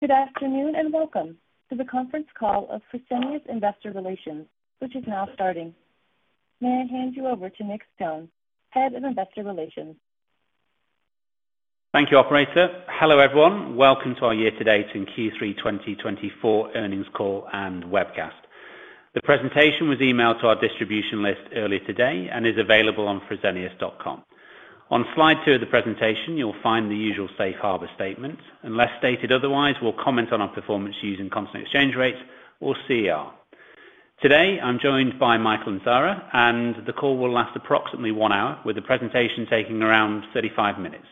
Good afternoon and welcome to the conference call of Fresenius Investor Relations, which is now starting. May I hand you over to Nick Stone, Head of Investor Relations? Thank you, Operator. Hello, everyone. Welcome to our year-to-date and Q3 2024 earnings call and webcast. The presentation was emailed to our distribution list earlier today and is available on fresenius.com. On slide two of the presentation, you'll find the usual safe harbor statement. Unless stated otherwise, we'll comment on our performance using constant exchange rates or CER. Today, I'm joined by Michael and Sara, and the call will last approximately one hour, with the presentation taking around 35 minutes.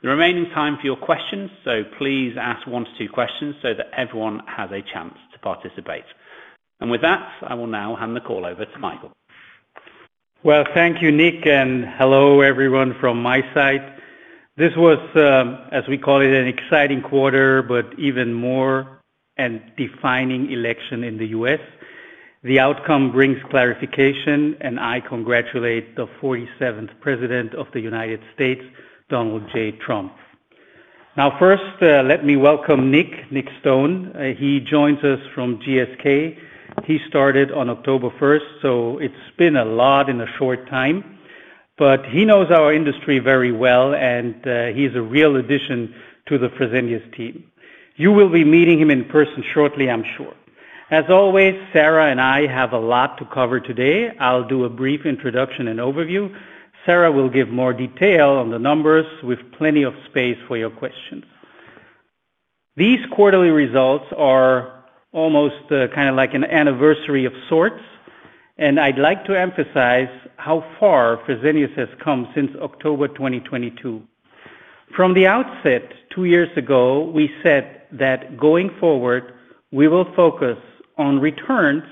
The remaining time is for your questions, so please ask one to two questions so that everyone has a chance to participate, and with that, I will now hand the call over to Michael. Thank you, Nick, and hello, everyone, from my side. This was, as we call it, an exciting quarter, but even more a defining election in the U.S. The outcome brings clarification, and I congratulate the 47th President of the United States, Donald J. Trump. Now, first, let me welcome Nick, Nick Stone. He joins us from GSK. He started on October 1st, so it's been a lot in a short time. But he knows our industry very well, and he's a real addition to the Fresenius team. You will be meeting him in person shortly, I'm sure. As always, Sara and I have a lot to cover today. I'll do a brief introduction and overview. Sara will give more detail on the numbers with plenty of space for your questions. These quarterly results are almost kind of like an anniversary of sorts, and I'd like to emphasize how far Fresenius has come since October 2022. From the outset, two years ago, we said that going forward, we will focus on returns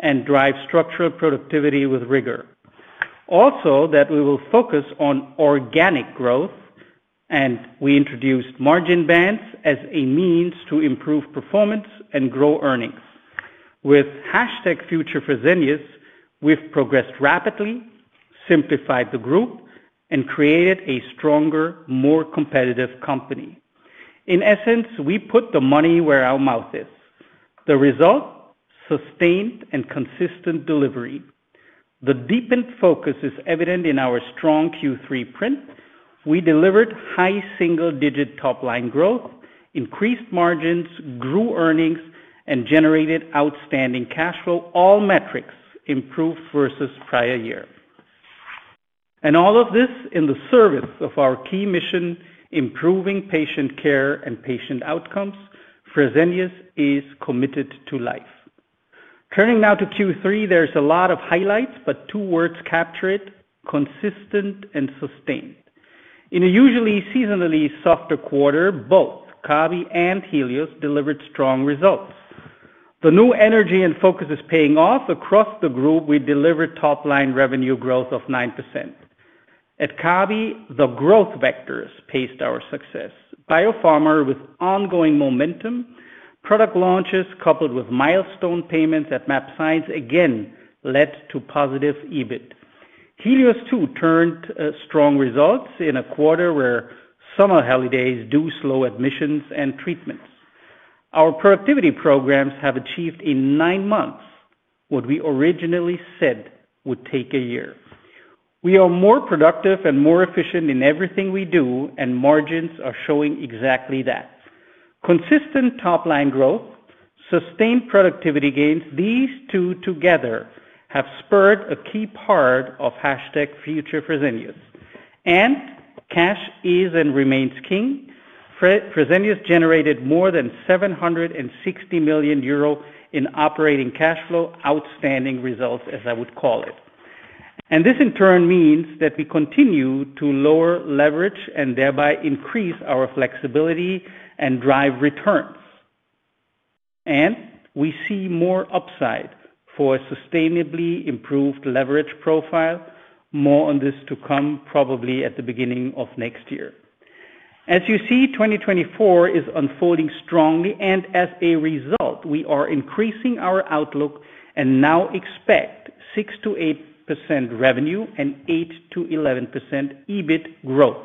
and drive structural productivity with rigor. Also, that we will focus on organic growth, and we introduced margin bands as a means to improve performance and grow earnings. With #FutureFresenius, we've progressed rapidly, simplified the group, and created a stronger, more competitive company. In essence, we put the money where our mouth is. The result? Sustained and consistent delivery. The deepened focus is evident in our strong Q3 print. We delivered high single-digit top-line growth, increased margins, grew earnings, and generated outstanding cash flow, all metrics improved versus prior year. And all of this in the service of our key mission, improving patient care and patient outcomes. Fresenius is committed to life. Turning now to Q3, there's a lot of highlights, but two words capture it: consistent and sustained. In a usually seasonally softer quarter, both Kabi and Helios delivered strong results. The new energy and focus is paying off. Across the group, we delivered top-line revenue growth of 9%. At Kabi, the growth vectors paced our success. Biopharma with ongoing momentum, product launches coupled with milestone payments at mAbxience again led to positive EBIT. Helios too turned strong results in a quarter where summer holidays do slow admissions and treatments. Our productivity programs have achieved in nine months what we originally said would take a year. We are more productive and more efficient in everything we do, and margins are showing exactly that. Consistent top-line growth, sustained productivity gains, these two together have spurred a key part of #FutureFresenius. And cash is and remains king. Fresenius generated more than 760 million euro in operating cash flow, outstanding results, as I would call it. And this, in turn, means that we continue to lower leverage and thereby increase our flexibility and drive returns. And we see more upside for a sustainably improved leverage profile. More on this to come, probably at the beginning of next year. As you see, 2024 is unfolding strongly, and as a result, we are increasing our outlook and now expect 6%-8% revenue and 8%-11% EBIT growth.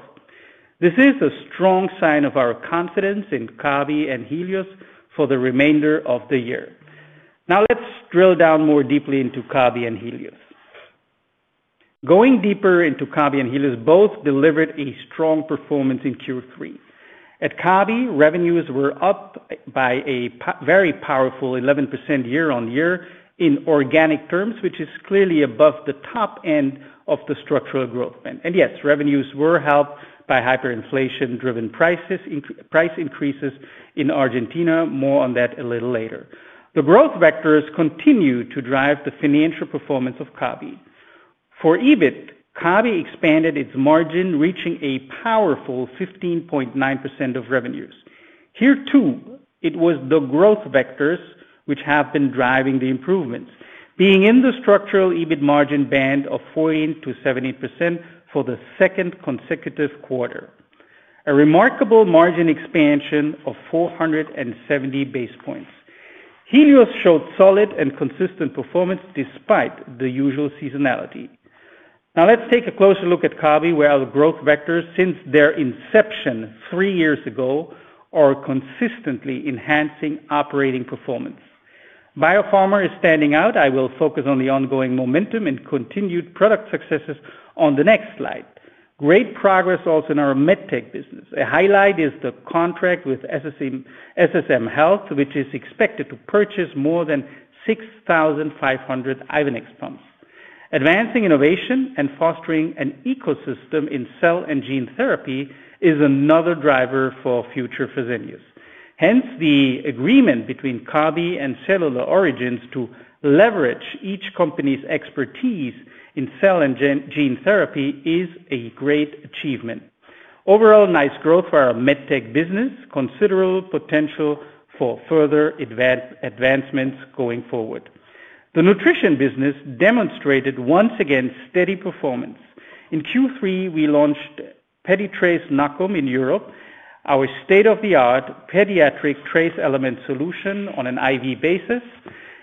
This is a strong sign of our confidence in Kabi and Helios for the remainder of the year. Now, let's drill down more deeply into Kabi and Helios. Going deeper into Kabi and Helios, both delivered a strong performance in Q3. At Kabi, revenues were up by a very powerful 11% year-on-year in organic terms, which is clearly above the top end of the structural growth. Yes, revenues were helped by hyperinflation-driven price increases in Argentina. More on that a little later. The growth vectors continue to drive the financial performance of Kabi. For EBIT, Kabi expanded its margin, reaching a powerful 15.9% of revenues. Here too, it was the growth vectors which have been driving the improvements, being in the structural EBIT margin band of 40%-70% for the second consecutive quarter, a remarkable margin expansion of 470 basis points. Helios showed solid and consistent performance despite the usual seasonality. Now, let's take a closer look at Kabi, where our growth vectors, since their inception three years ago, are consistently enhancing operating performance. Biopharma is standing out. I will focus on the ongoing momentum and continued product successes on the next slide. Great progress also in our medtech business. A highlight is the contract with SSM Health, which is expected to purchase more than 6,500 Ivenix pumps. Advancing innovation and fostering an ecosystem in cell and gene therapy is another driver for Future Fresenius. Hence, the agreement between Kabi and Cellular Origins to leverage each company's expertise in cell and gene therapy is a great achievement. Overall, nice growth for our medtech business, considerable potential for further advancements going forward. The nutrition business demonstrated once again steady performance. In Q3, we launched Peditrace NACUM in Europe, our state-of-the-art pediatric trace element solution on an IV basis,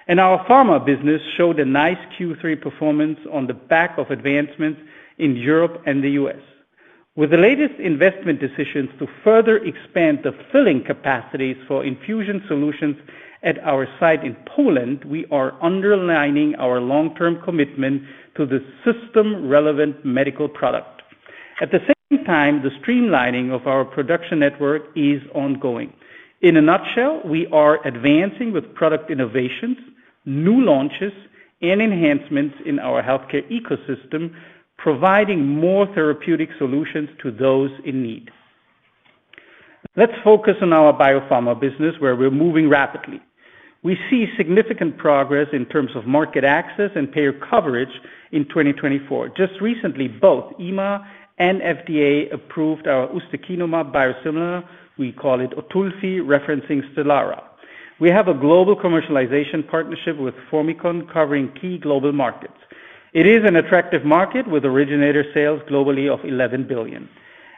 and our pharma business showed a nice Q3 performance on the back of advancements in Europe and the U.S. With the latest investment decisions to further expand the filling capacities for infusion solutions at our site in Poland, we are underlining our long-term commitment to the system-relevant medical product. At the same time, the streamlining of our production network is ongoing. In a nutshell, we are advancing with product innovations, new launches, and enhancements in our healthcare ecosystem, providing more therapeutic solutions to those in need. Let's focus on our biopharma business, where we're moving rapidly. We see significant progress in terms of market access and payer coverage in 2024. Just recently, both EMA and FDA approved our ustekinumab biosimilar. We call it OTULFI, referencing Stelara. We have a global commercialization partnership with Formycon, covering key global markets. It is an attractive market with originator sales globally of $11 billion,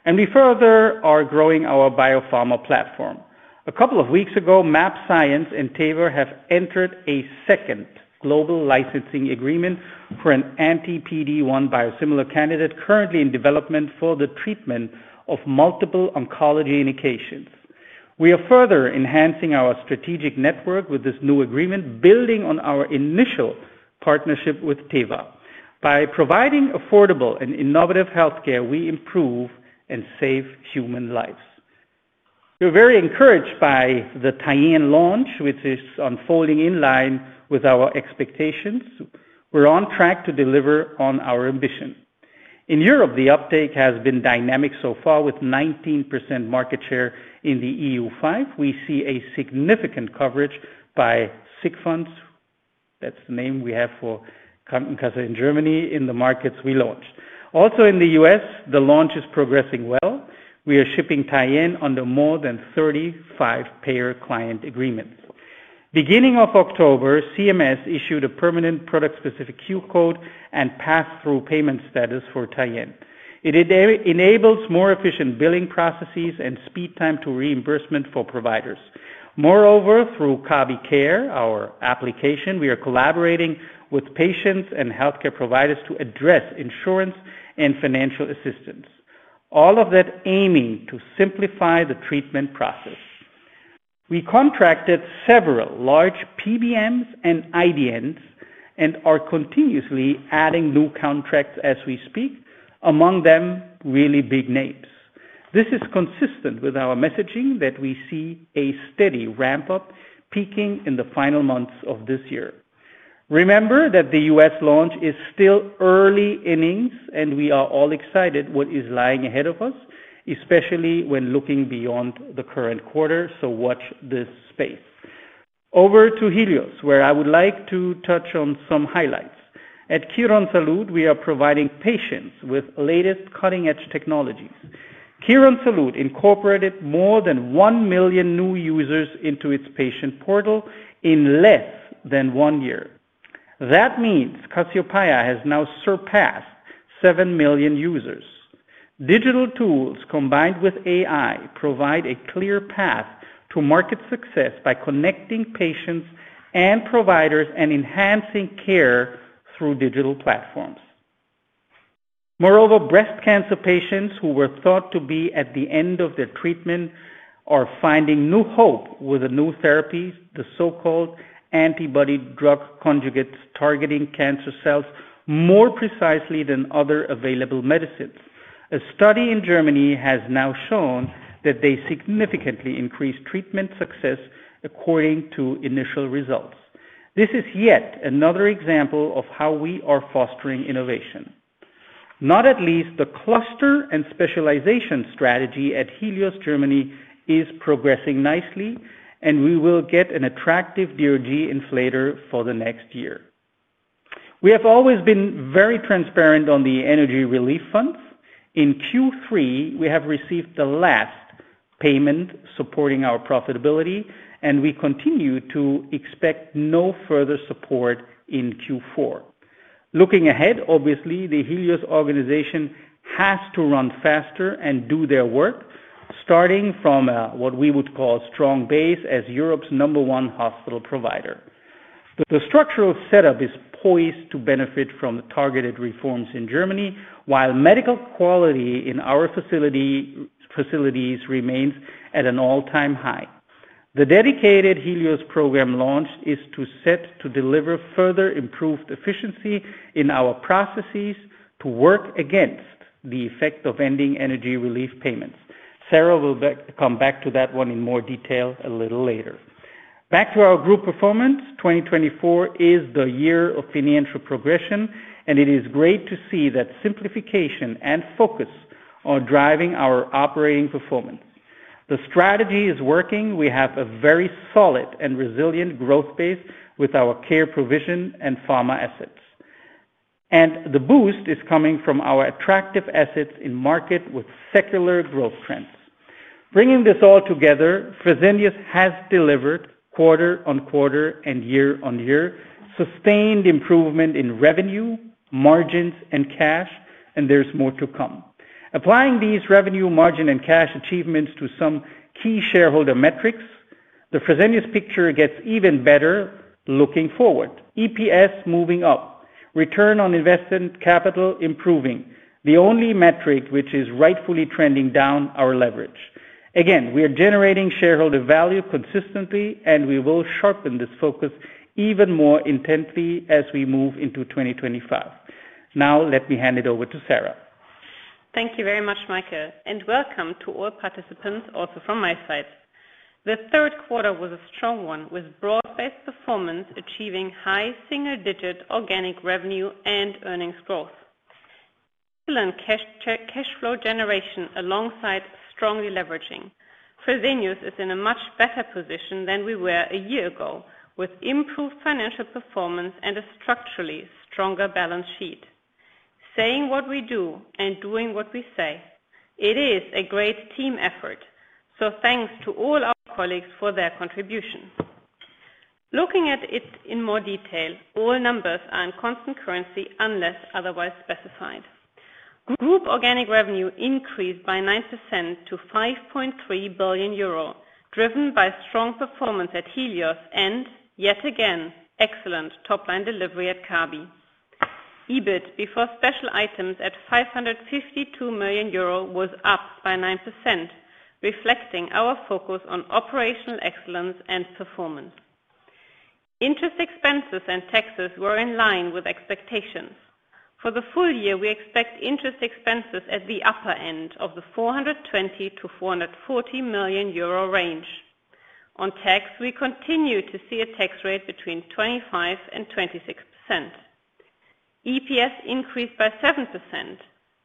and we further are growing our biopharma platform. A couple of weeks ago, mAbxience and Teva have entered a second global licensing agreement for an anti-PD-1 biosimilar candidate currently in development for the treatment of multiple oncology indications. We are further enhancing our strategic network with this new agreement, building on our initial partnership with Teva. By providing affordable and innovative healthcare, we improve and save human lives. We're very encouraged by the Tyenne launch, which is unfolding in line with our expectations. We're on track to deliver on our ambition. In Europe, the uptake has been dynamic so far, with 19% market share in the EU-5. We see a significant coverage by sickness funds. That's the name we have for Krankenkasse in Germany in the markets we launched. Also, in the U.S., the launch is progressing well. We are shipping Tyenne under more than 35 payer-client agreements. Beginning of October, CMS issued a permanent product-specific Q-code and pass-through payment status for Tyenne. It enables more efficient billing processes and speed time to reimbursement for providers. Moreover, through KabiCare, our application, we are collaborating with patients and healthcare providers to address insurance and financial assistance, all of that aiming to simplify the treatment process. We contracted several large PBMs and IDNs and are continuously adding new contracts as we speak, among them really big names. This is consistent with our messaging that we see a steady ramp-up peaking in the final months of this year. Remember that the U.S. launch is still early innings, and we are all excited about what is lying ahead of us, especially when looking beyond the current quarter. So watch this space. Over to Helios, where I would like to touch on some highlights. At Quirónsalud, we are providing patients with the latest cutting-edge technologies. Quirónsalud incorporated more than one million new users into its patient portal in less than one year. That means Casiopea has now surpassed seven million users. Digital tools combined with AI provide a clear path to market success by connecting patients and providers and enhancing care through digital platforms. Moreover, breast cancer patients who were thought to be at the end of their treatment are finding new hope with the new therapies, the so-called antibody-drug conjugates targeting cancer cells more precisely than other available medicines. A study in Germany has now shown that they significantly increased treatment success according to initial results. This is yet another example of how we are fostering innovation. Not least the cluster and specialization strategy at Helios Germany is progressing nicely, and we will get an attractive DRG inflator for the next year. We have always been very transparent on the energy relief funds. In Q3, we have received the last payment supporting our profitability, and we continue to expect no further support in Q4. Looking ahead, obviously, the Helios organization has to run faster and do their work, starting from what we would call a strong base as Europe's number one hospital provider. The structural setup is poised to benefit from targeted reforms in Germany, while medical quality in our facilities remains at an all-time high. The dedicated Helios program launch is set to deliver further improved efficiency in our processes to work against the effect of ending energy relief payments. Sara will come back to that one in more detail a little later. Back to our group performance, 2024 is the year of financial progression, and it is great to see that simplification and focus are driving our operating performance. The strategy is working. We have a very solid and resilient growth base with our care provision and pharma assets. And the boost is coming from our attractive assets in market with secular growth trends. Bringing this all together, Fresenius has delivered quarter on quarter and year on year sustained improvement in revenue, margins, and cash, and there's more to come. Applying these revenue, margin, and cash achievements to some key shareholder metrics, the Fresenius picture gets even better looking forward. EPS moving up, return on invested capital improving, the only metric which is rightfully trending down our leverage. Again, we are generating shareholder value consistently, and we will sharpen this focus even more intensely as we move into 2025. Now, let me hand it over to Sara. Thank you very much, Michael, and welcome to all participants also from my side. The third quarter was a strong one with broad-based performance achieving high single-digit organic revenue and earnings growth. Excellent cash flow generation alongside strongly leveraging. Fresenius is in a much better position than we were a year ago with improved financial performance and a structurally stronger balance sheet. Saying what we do and doing what we say. It is a great team effort, so thanks to all our colleagues for their contribution. Looking at it in more detail, all numbers are in constant currency unless otherwise specified. Group organic revenue increased by 9% to 5.3 billion euro, driven by strong performance at Helios and yet again excellent top-line delivery at Kabi. EBIT before special items at €552 million was up by 9%, reflecting our focus on operational excellence and performance. Interest expenses and taxes were in line with expectations. For the full year, we expect interest expenses at the upper end of the €420-€440 million range. On tax, we continue to see a tax rate between 25% and 26%. EPS increased by 7%,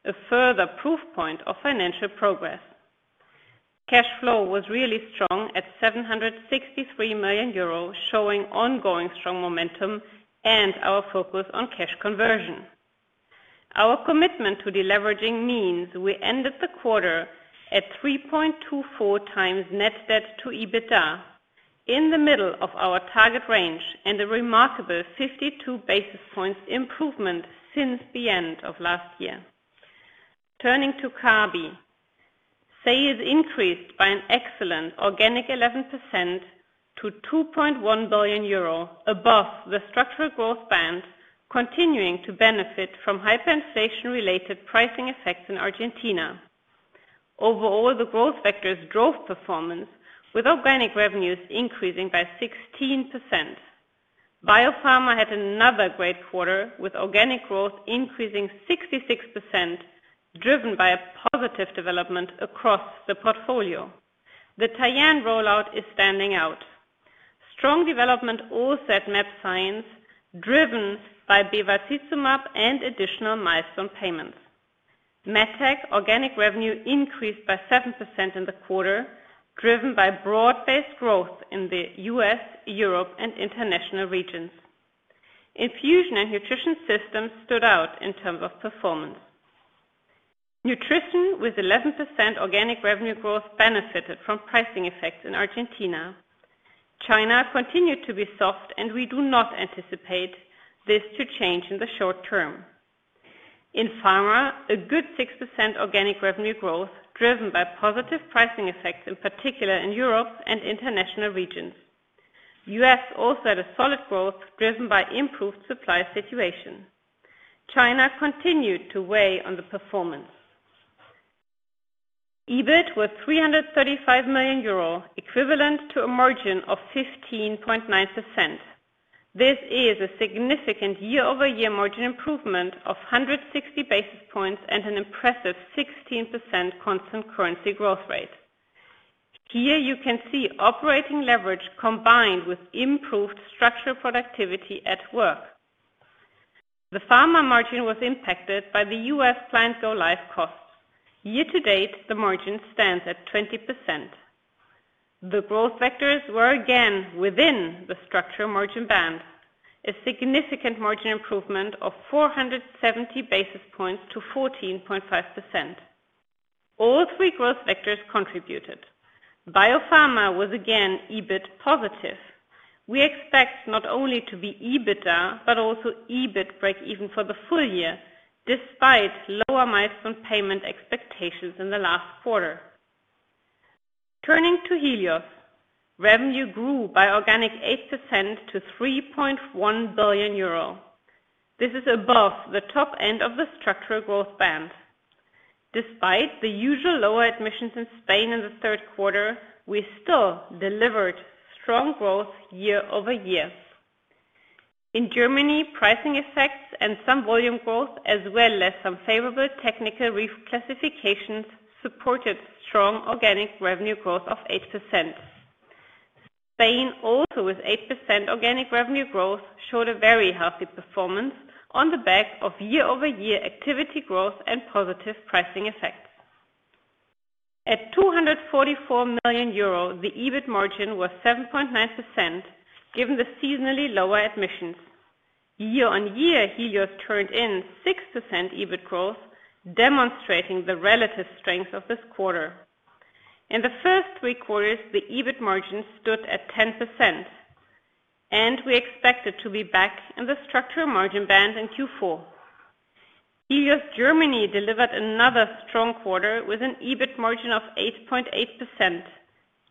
a further proof point of financial progress. Cash flow was really strong at €763 million, showing ongoing strong momentum and our focus on cash conversion. Our commitment to deleveraging means we ended the quarter at 3.24 times net debt to EBITDA, in the middle of our target range and a remarkable 52 basis points improvement since the end of last year. Turning to Kabi, sales increased by an excellent organic 11% to 2.1 billion euro, above the structural growth band, continuing to benefit from hyperinflation-related pricing effects in Argentina. Overall, the growth vectors drove performance, with organic revenues increasing by 16%. Biopharma had another great quarter with organic growth increasing 66%, driven by a positive development across the portfolio. The Tyenne rollout is standing out. Strong development also at mAbxience, driven by bevacizumab and additional milestone payments. Medtech organic revenue increased by 7% in the quarter, driven by broad-based growth in the U.S., Europe, and international regions. Infusion and nutrition systems stood out in terms of performance. Nutrition, with 11% organic revenue growth, benefited from pricing effects in Argentina. China continued to be soft, and we do not anticipate this to change in the short term. In pharma, a good 6% organic revenue growth, driven by positive pricing effects, in particular in Europe and international regions. U.S. also had a solid growth, driven by improved supply situation. China continued to weigh on the performance. EBIT was 335 million euro, equivalent to a margin of 15.9%. This is a significant year-over-year margin improvement of 160 basis points and an impressive 16% constant currency growth rate. Here you can see operating leverage combined with improved structural productivity at work. The pharma margin was impacted by the U.S. Plant Go Live costs. Year to date, the margin stands at 20%. The growth vectors were again within the structural margin band, a significant margin improvement of 470 basis points to 14.5%. All three growth vectors contributed. Biopharma was again EBIT positive. We expect not only to be EBITDA, but also EBIT break-even for the full year, despite lower milestone payment expectations in the last quarter. Turning to Helios, revenue grew by organic 8% to 3.1 billion euro. This is above the top end of the structural growth band. Despite the usual lower admissions in Spain in the third quarter, we still delivered strong growth year over year. In Germany, pricing effects and some volume growth, as well as some favorable technical reclassifications, supported strong organic revenue growth of 8%. Spain, also with 8% organic revenue growth, showed a very healthy performance on the back of year-over-year activity growth and positive pricing effects. At 244 million euro, the EBIT margin was 7.9%, given the seasonally lower admissions. Year on year, Helios turned in 6% EBIT growth, demonstrating the relative strength of this quarter. In the first three quarters, the EBIT margin stood at 10%, and we expect it to be back in the structural margin band in Q4. Helios Germany delivered another strong quarter with an EBIT margin of 8.8%,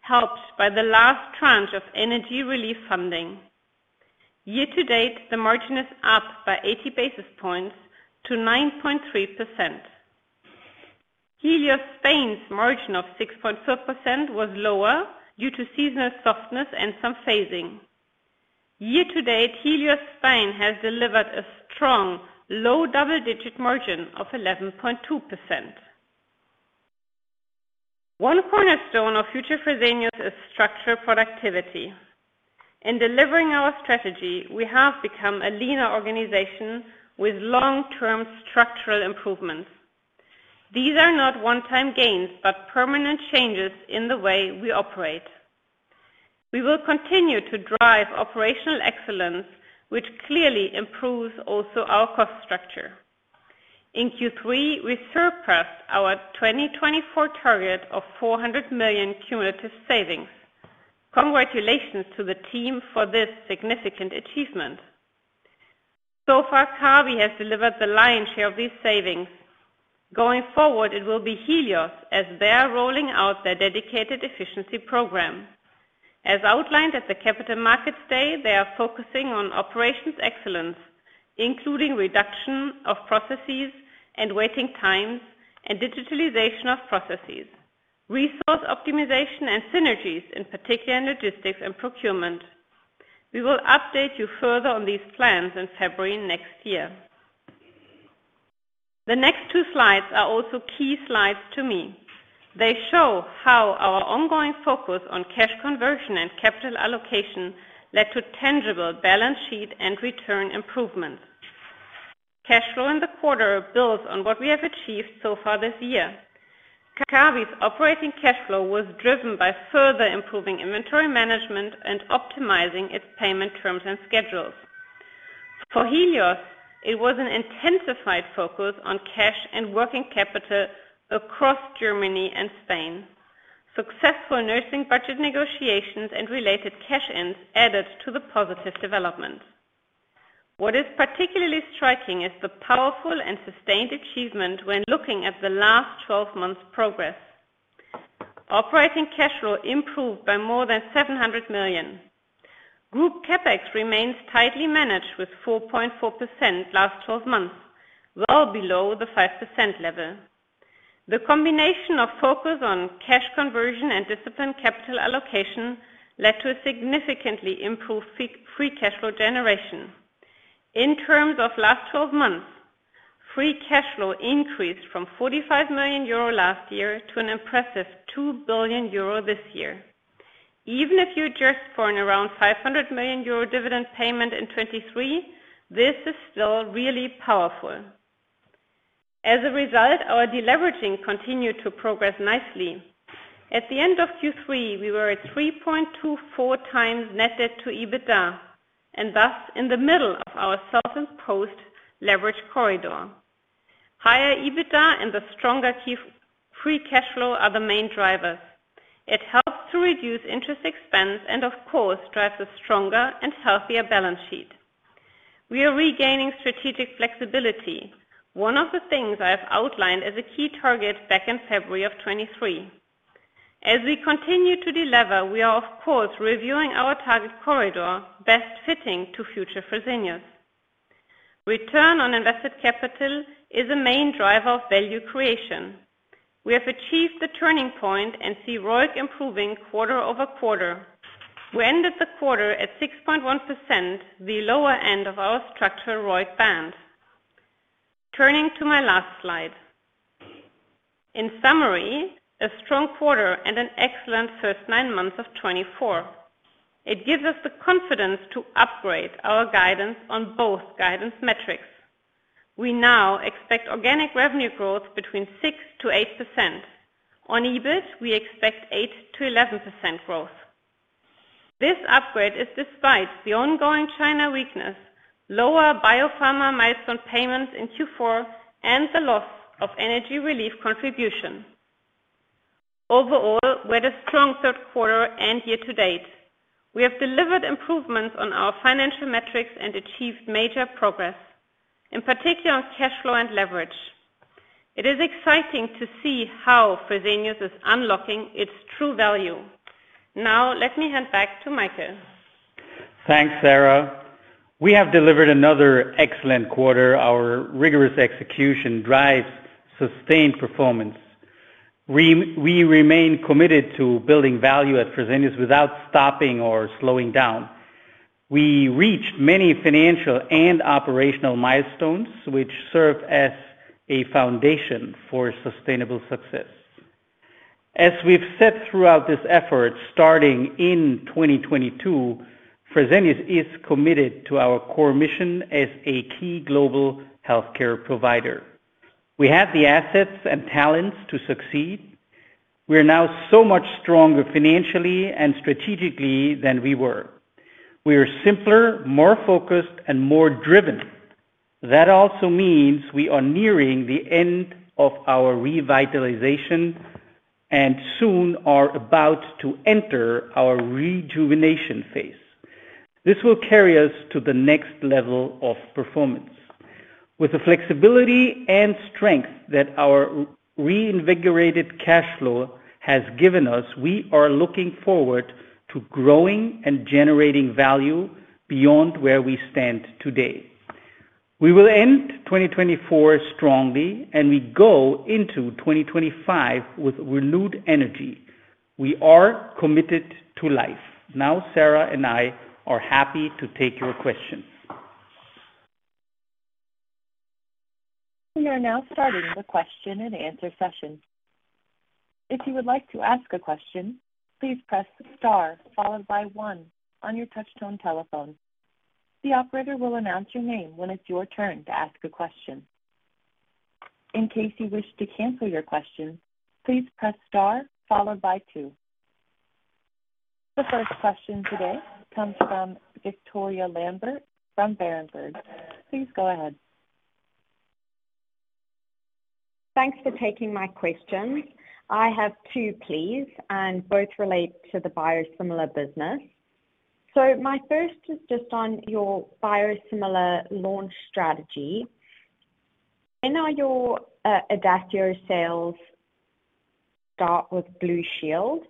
helped by the last tranche of energy relief funding. Year to date, the margin is up by 80 basis points to 9.3%. Helios Spain's margin of 6.4% was lower due to seasonal softness and some phasing. Year to date, Helios Spain has delivered a strong, low double-digit margin of 11.2%. One cornerstone of future Fresenius is structural productivity. In delivering our strategy, we have become a leaner organization with long-term structural improvements. These are not one-time gains, but permanent changes in the way we operate. We will continue to drive operational excellence, which clearly improves also our cost structure. In Q3, we surpassed our 2024 target of 400 million cumulative savings. Congratulations to the team for this significant achievement. So far, Kabi has delivered the lion's share of these savings. Going forward, it will be Helios as they are rolling out their dedicated efficiency program. As outlined at the Capital Markets Day, they are focusing on operations excellence, including reduction of processes and waiting times and digitalization of processes, resource optimization, and synergies, in particular in logistics and procurement. We will update you further on these plans in February next year. The next two slides are also key slides to me. They show how our ongoing focus on cash conversion and capital allocation led to tangible balance sheet and return improvements. Cash flow in the quarter builds on what we have achieved so far this year. Kabi's operating cash flow was driven by further improving inventory management and optimizing its payment terms and schedules. For Helios, it was an intensified focus on cash and working capital across Germany and Spain. Successful nursing budget negotiations and related cash inflows added to the positive development. What is particularly striking is the powerful and sustained achievement when looking at the last 12 months' progress. Operating cash flow improved by more than 700 million. Group CapEx remains tightly managed with 4.4% last 12 months, well below the 5% level. The combination of focus on cash conversion and disciplined capital allocation led to a significantly improved free cash flow generation. In terms of last 12 months, free cash flow increased from 45 million euro last year to an impressive 2 billion euro this year. Even if you just forgone around 500 million euro dividend payment in 2023, this is still really powerful. As a result, our deleveraging continued to progress nicely. At the end of Q3, we were at 3.24 times net debt to EBITDA and thus in the middle of our target post leverage corridor. Higher EBITDA and the stronger free cash flow are the main drivers. It helps to reduce interest expense and, of course, drives a stronger and healthier balance sheet. We are regaining strategic flexibility, one of the things I have outlined as a key target back in February of 2023. As we continue to deliver, we are, of course, reviewing our target corridor, best fitting to future Fresenius. Return on invested capital is a main driver of value creation. We have achieved the turning point and see ROIC improving quarter over quarter. We ended the quarter at 6.1%, the lower end of our structural ROIC band. Turning to my last slide. In summary, a strong quarter and an excellent first nine months of 2024. It gives us the confidence to upgrade our guidance on both guidance metrics. We now expect organic revenue growth between 6% to 8%. On EBIT, we expect 8% to 11% growth. This upgrade is despite the ongoing China weakness, lower Biopharma milestone payments in Q4, and the loss of energy relief contribution. Overall, we had a strong third quarter and year to date. We have delivered improvements on our financial metrics and achieved major progress, in particular on cash flow and leverage. It is exciting to see how Fresenius is unlocking its true value. Now, let me hand back to Michael. Thanks, Sara. We have delivered another excellent quarter. Our rigorous execution drives sustained performance. We remain committed to building value at Fresenius without stopping or slowing down. We reached many financial and operational milestones, which serve as a foundation for sustainable success. As we've said throughout this effort, starting in 2022, Fresenius is committed to our core mission as a key global healthcare provider. We have the assets and talents to succeed. We are now so much stronger financially and strategically than we were. We are simpler, more focused, and more driven. That also means we are nearing the end of our revitalization and soon are about to enter our rejuvenation phase. This will carry us to the next level of performance. With the flexibility and strength that our reinvigorated cash flow has given us, we are looking forward to growing and generating value beyond where we stand today. We will end 2024 strongly, and we go into 2025 with renewed energy. We are committed to life. Now, Sara and I are happy to take your questions. We are now starting the question and answer session. If you would like to ask a question, please press star followed by one on your touch-tone telephone. The operator will announce your name when it's your turn to ask a question. In case you wish to cancel your question, please press star followed by two. The first question today comes from Victoria Lambert from Berenberg. Please go ahead. Thanks for taking my question. I have two pleas, and both relate to the biosimilar business. So my first is just on your biosimilar launch strategy. When are your Idacio sales start with Blue Shield?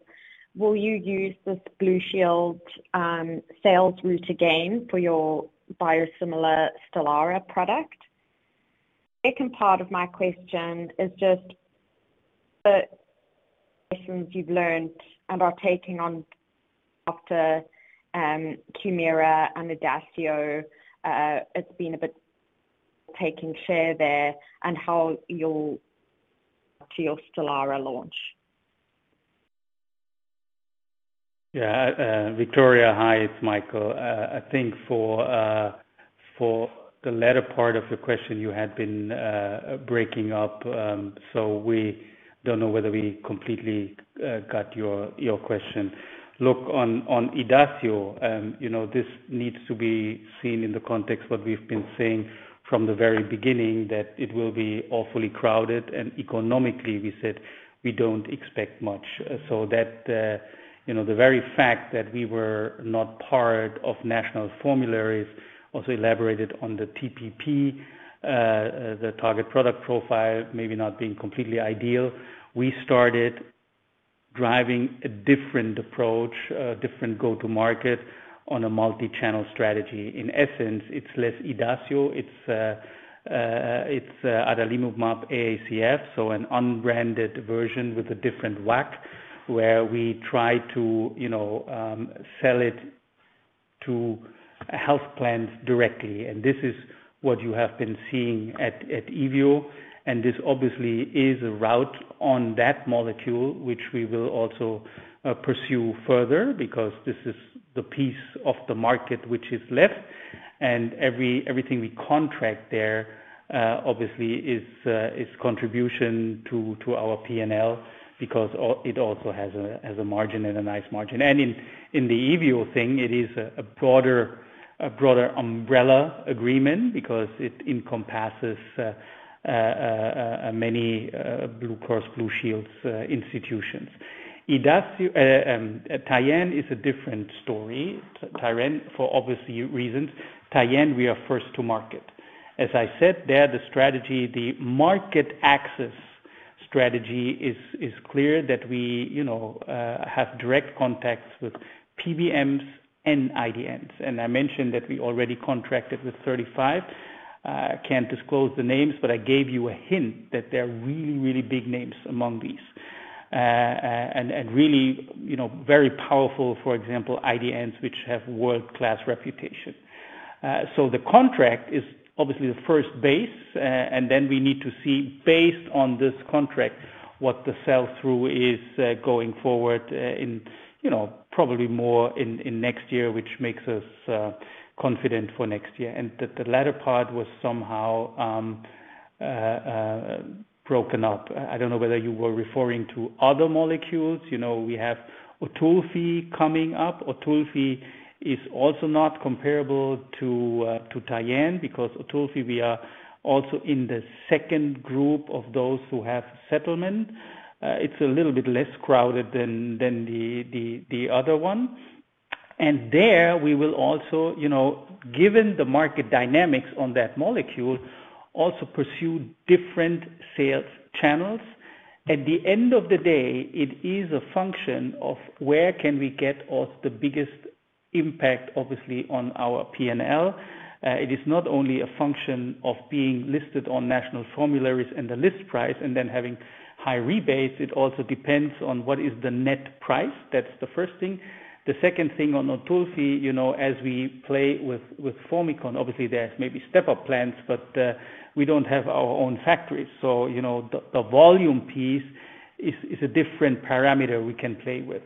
Will you use this Blue Shield sales route again for your biosimilar Stelara product? Second part of my question is just the lessons you've learned and are taking on after Humira and Idacio. It's been a bit taking share there and how you'll to your Stelara launch. Yeah, Victoria, hi, it's Michael. I think for the latter part of your question, you had been breaking up, so we don't know whether we completely got your question. Look, on Idacio, this needs to be seen in the context what we've been saying from the very beginning that it will be awfully crowded, and economically, we said we don't expect much. So the very fact that we were not part of national formularies also elaborated on the TPP, the target product profile, maybe not being completely ideal. We started driving a different approach, a different go-to-market on a multi-channel strategy. In essence, it's less Idacio, it's adalimumab-aacf, so an unbranded version with a different WAC, where we try to sell it to health plans directly. This is what you have been seeing at Evio, and this obviously is a route on that molecule, which we will also pursue further because this is the piece of the market which is left. And everything we contract there obviously is contribution to our P&L because it also has a margin and a nice margin. And in the Evio thing, it is a broader umbrella agreement because it encompasses many Blue Cross Blue Shield institutions. Tyenne is a different story. Tyenne, for obvious reasons, Tyenne, we are first to market. As I said, there the strategy, the market access strategy is clear that we have direct contacts with PBMs and IDNs. And I mentioned that we already contracted with 35. I can't disclose the names, but I gave you a hint that they're really, really big names among these and really very powerful, for example, IDNs which have world-class reputation. So the contract is obviously the first base, and then we need to see based on this contract what the sell-through is going forward in probably more in next year, which makes us confident for next year. And the latter part was somehow broken up. I don't know whether you were referring to other molecules. We have OTULFI coming up. OTULFI is also not comparable to Tyenne because OTULFI, we are also in the second group of those who have settlement. It's a little bit less crowded than the other one. And there we will also, given the market dynamics on that molecule, also pursue different sales channels. At the end of the day, it is a function of where can we get the biggest impact, obviously, on our P&L. It is not only a function of being listed on national formularies and the list price and then having high rebates. It also depends on what is the net price. That's the first thing. The second thing on OTULFI, as we play with Formycon, obviously, there's maybe step-up plans, but we don't have our own factories. So the volume piece is a different parameter we can play with.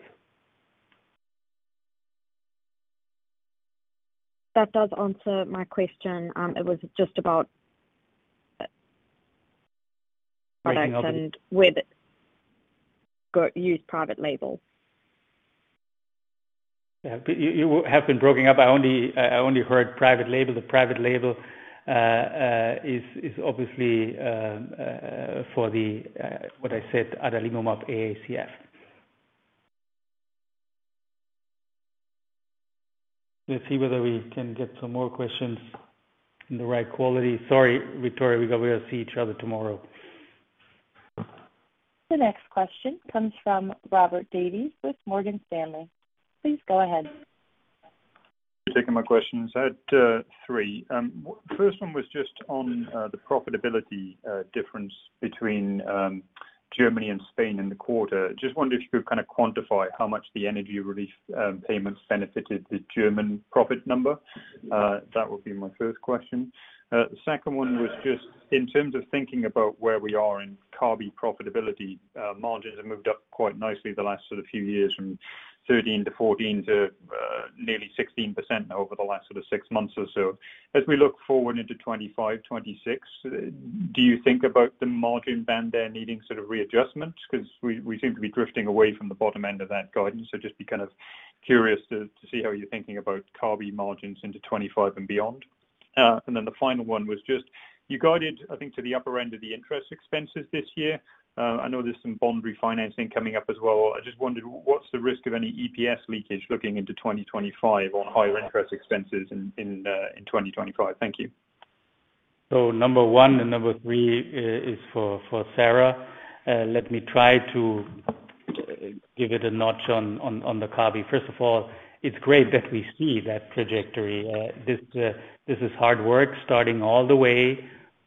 That does answer my question. It was just about. Anything other than use private label. You have been broken up. I only heard private label. The private label is obviously for what I said, adalimumab-aacf. Let's see whether we can get some more questions in the right quality. Sorry, Victoria, we'll see each other tomorrow. The next question comes from Robert Davies with Morgan Stanley. Please go ahead. Taking my questions. I had three. First one was just on the profitability difference between Germany and Spain in the quarter. Just wondered if you could kind of quantify how much the energy relief payments benefited the German profit number. That would be my first question. The second one was just in terms of thinking about where we are in Kabi profitability. Margins have moved up quite nicely the last sort of few years, from 13% to 14% to nearly 16% over the last sort of six months or so. As we look forward into 2025, 2026, do you think about the margin band there needing sort of readjustment? Because we seem to be drifting away from the bottom end of that guidance. So just be kind of curious to see how you're thinking about Kabi margins into 2025 and beyond. And then the final one was just you guided, I think, to the upper end of the interest expenses this year. I know there's some bond refinancing coming up as well. I just wondered, what's the risk of any EPS leakage looking into 2025 on higher interest expenses in 2025? Thank you. So number one and number three is for Sara. Let me try to give it a notch on the Kabi. First of all, it's great that we see that trajectory. This is hard work starting all the way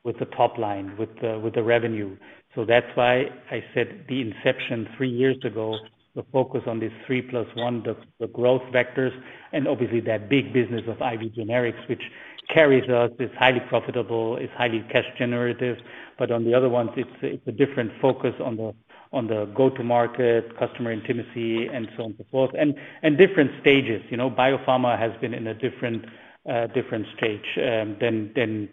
with the top line, with the revenue. So that's why I said the inception three years ago, the focus on these three plus one, the growth vectors, and obviously that big business of IV generics, which carries us, is highly profitable, is highly cash generative. But on the other ones, it's a different focus on the go-to-market, customer intimacy, and so on and so forth, and different stages. Biopharma has been in a different stage than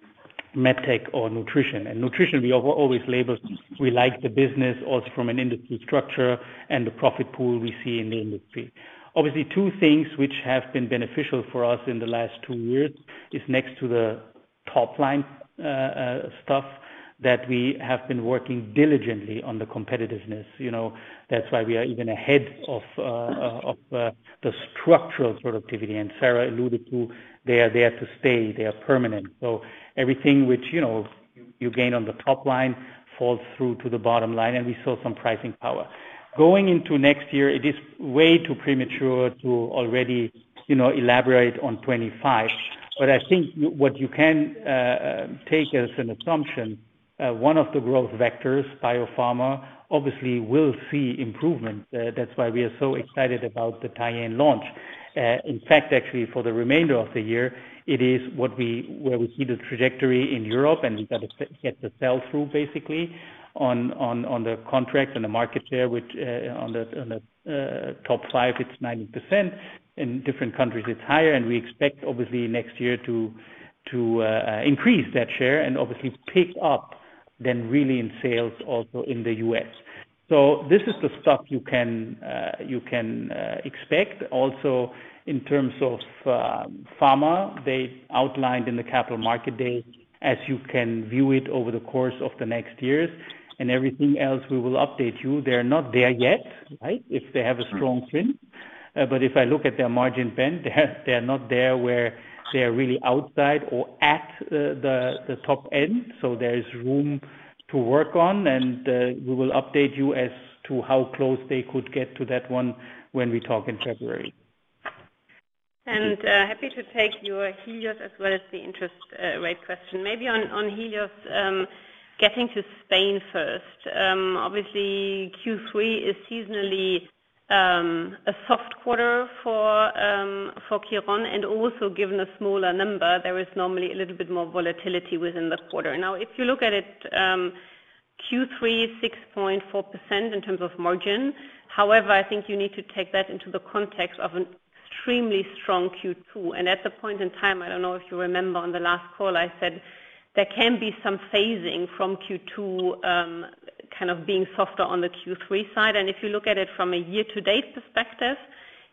MedTech or nutrition. And nutrition, we always label we like the business also from an industry structure and the profit pool we see in the industry. Obviously, two things which have been beneficial for us in the last two years is next to the top line stuff that we have been working diligently on the competitiveness. That's why we are even ahead of the structural productivity. And Sara alluded to they are there to stay. They are permanent. So everything which you gain on the top line falls through to the bottom line, and we saw some pricing power. Going into next year, it is way too premature to already elaborate on 2025. But I think what you can take as an assumption, one of the growth vectors, biopharma, obviously will see improvement. That's why we are so excited about the Tyenne launch. In fact, actually, for the remainder of the year, it is what we see the trajectory in Europe and get the sell-through basically on the contract and the market share, which on the top five, it's 90%. In different countries, it's higher, and we expect obviously next year to increase that share and obviously pick up then really in sales also in the US. So this is the stuff you can expect. Also in terms of pharma, they outlined in the Capital Market Day as you can view it over the course of the next years, and everything else, we will update you. They're not there yet, right, if they have a strong swing, but if I look at their margin band, they're not there where they're really outside or at the top end, so there's room to work on, and we will update you as to how close they could get to that one when we talk in February. And happy to take your Helios as well as the interest rate question. Maybe on Helios, getting to Spain first, obviously Q3 is seasonally a soft quarter for Quirón and also given a smaller number, there is normally a little bit more volatility within the quarter. Now, if you look at it, Q3, 6.4% in terms of margin. However, I think you need to take that into the context of an extremely strong Q2, and at the point in time, I don't know if you remember on the last call, I said there can be some phasing from Q2 kind of being softer on the Q3 side, and if you look at it from a year-to-date perspective,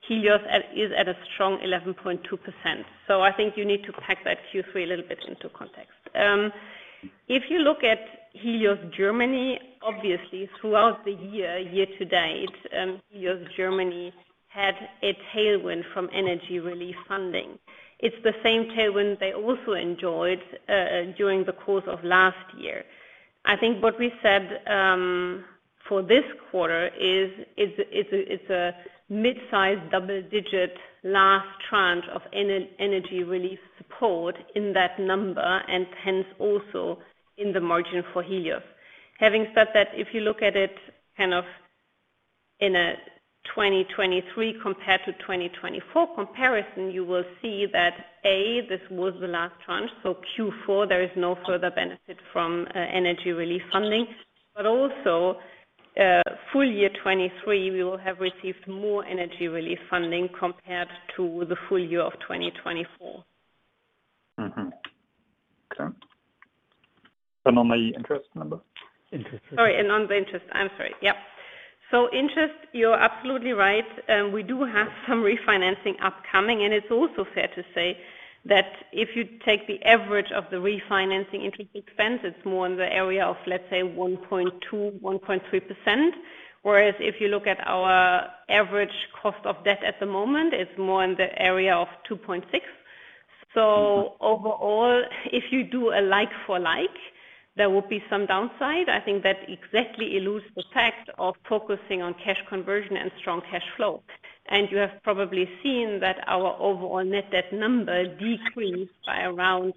Helios is at a strong 11.2%, so I think you need to pack that Q3 a little bit into context, if you look at Helios Germany, obviously throughout the year, year-to-date, Helios Germany had a tailwind from energy relief funding. It's the same tailwind they also enjoyed during the course of last year. I think what we said for this quarter is it's a mid-sized double-digit last tranche of energy relief support in that number and hence also in the margin for Helios. Having said that, if you look at it kind of in a 2023 compared to 2024 comparison, you will see that, A, this was the last tranche. So Q4, there is no further benefit from energy relief funding. But also full year 2023, we will have received more energy relief funding compared to the full year of 2024. But not the interest number? Interest. Sorry, and not the interest. I'm sorry. Yep. So interest, you're absolutely right. We do have some refinancing upcoming, and it's also fair to say that if you take the average of the refinancing interest expense, it's more in the area of, let's say, 1.2-1.3%. Whereas if you look at our average cost of debt at the moment, it's more in the area of 2.6%. So overall, if you do a like-for-like, there will be some downside. I think that exactly alludes to the fact of focusing on cash conversion and strong cash flow. You have probably seen that our overall net debt number decreased by around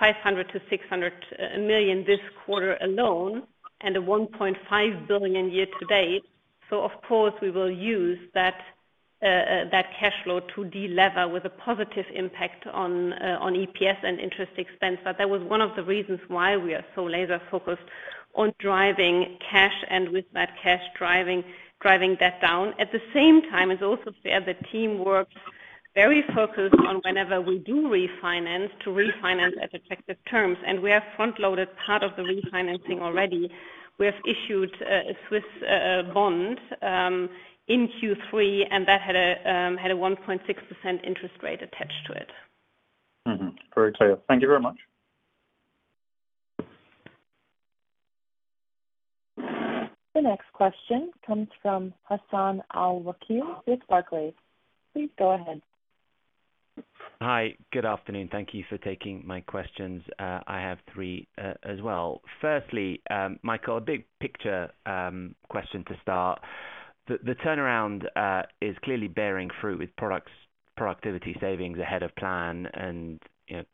500-600 million this quarter alone and 1.5 billion year-to-date. Of course, we will use that cash flow to delever with a positive impact on EPS and interest expense. That was one of the reasons why we are so laser-focused on driving cash and with that cash driving debt down. At the same time, it's also fair that the team is very focused on whenever we do refinance to refinance at effective terms. We have front-loaded part of the refinancing already. We have issued a Swiss bond in Q3, and that had a 1.6% interest rate attached to it. Very clear. Thank you very much. The next question comes from Hassan Al-Wakeel with Barclays. Please go ahead. Hi. Good afternoon. Thank you for taking my questions. I have three as well. Firstly, Michael, a big picture question to start. The turnaround is clearly bearing fruit with productivity savings ahead of plan and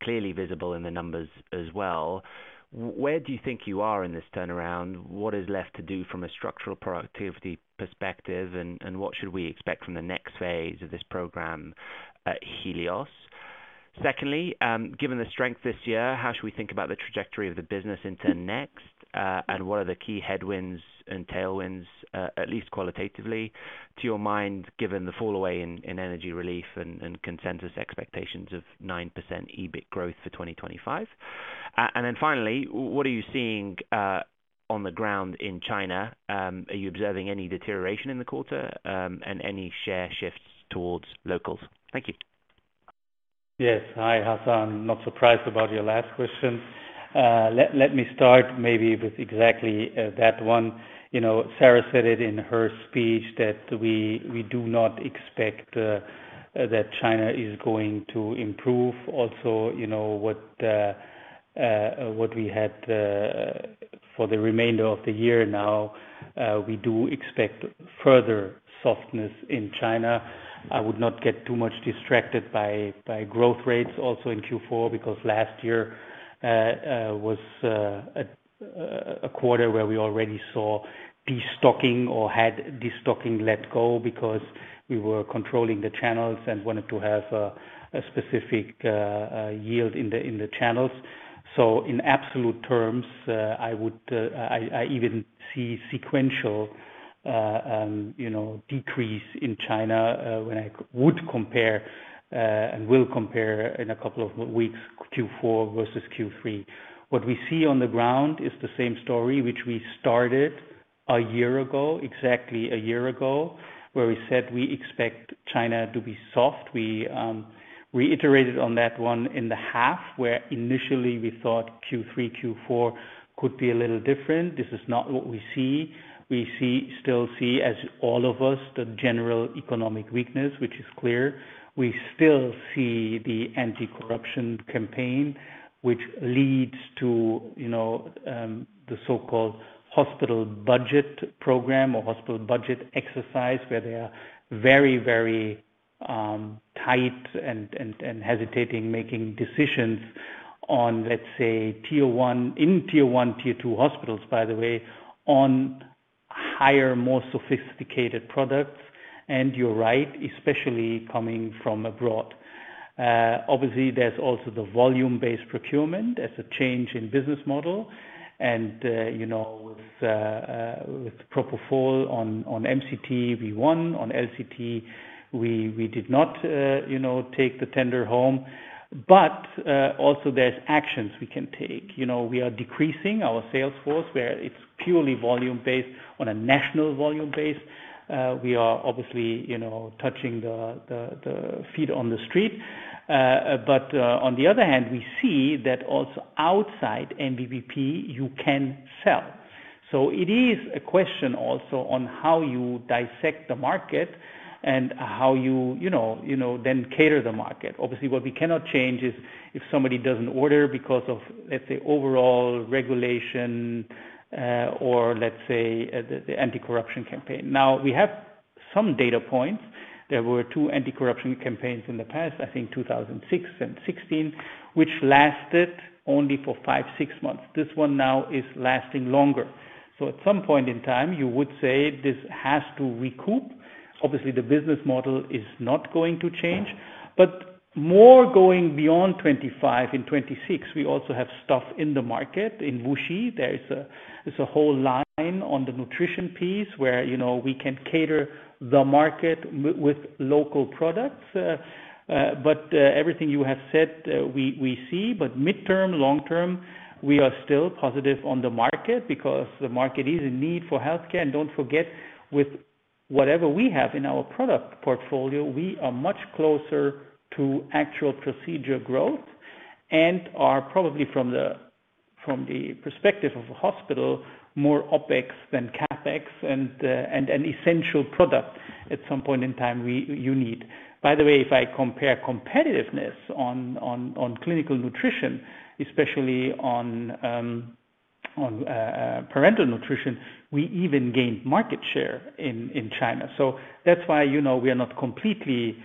clearly visible in the numbers as well. Where do you think you are in this turnaround? What is left to do from a structural productivity perspective, and what should we expect from the next phase of this program at Helios? Secondly, given the strength this year, how should we think about the trajectory of the business into next, and what are the key headwinds and tailwinds, at least qualitatively, to your mind, given the fall away in energy relief and consensus expectations of 9% EBIT growth for 2025? And then finally, what are you seeing on the ground in China? Are you observing any deterioration in the quarter and any share shifts towards locals? Thank you. Yes. Hi, Hassan. Not surprised about your last question. Let me start maybe with exactly that one. Sara said it in her speech that we do not expect that China is going to improve. Also, what we had for the remainder of the year now, we do expect further softness in China. I would not get too much distracted by growth rates also in Q4 because last year was a quarter where we already saw destocking or had destocking let go because we were controlling the channels and wanted to have a specific yield in the channels. So in absolute terms, I even see sequential decrease in China when I would compare and will compare in a couple of weeks, Q4 versus Q3. What we see on the ground is the same story, which we started a year ago, exactly a year ago, where we said we expect China to be soft. We reiterated on that one in the half where initially we thought Q3, Q4 could be a little different. This is not what we see. We still see, as all of us, the general economic weakness, which is clear. We still see the anti-corruption campaign, which leads to the so-called hospital budget program or hospital budget exercise where they are very, very tight and hesitating making decisions on, let's say, in Tier 1, Tier 2 hospitals, by the way, on higher, more sophisticated products, and you're right, especially coming from abroad. Obviously, there's also the volume-based procurement as a change in business model, and with propofol on MCT, we won. On LCT, we did not take the tender home. But also there's actions we can take. We are decreasing our sales force where it's purely volume-based on a national volume base. We are obviously touching the feet on the street. But on the other hand, we see that also outside NVBP, you can sell. So it is a question also on how you dissect the market and how you then cater the market. Obviously, what we cannot change is if somebody doesn't order because of, let's say, overall regulation or, let's say, the anti-corruption campaign. Now, we have some data points. There were two anti-corruption campaigns in the past, I think 2006 and 2016, which lasted only for five, six months. This one now is lasting longer. So at some point in time, you would say this has to recoup. Obviously, the business model is not going to change. But more going beyond 2025 and 2026, we also have stuff in the market in Wuxi. There's a whole line on the nutrition piece where we can cater the market with local products. But everything you have said, we see. But midterm, long term, we are still positive on the market because the market is in need for healthcare. And don't forget, with whatever we have in our product portfolio, we are much closer to actual procedure growth and are probably from the perspective of a hospital, more OpEx than CapEx and an essential product at some point in time you need. By the way, if I compare competitiveness on clinical nutrition, especially on parenteral nutrition, we even gained market share in China. So that's why we are not completely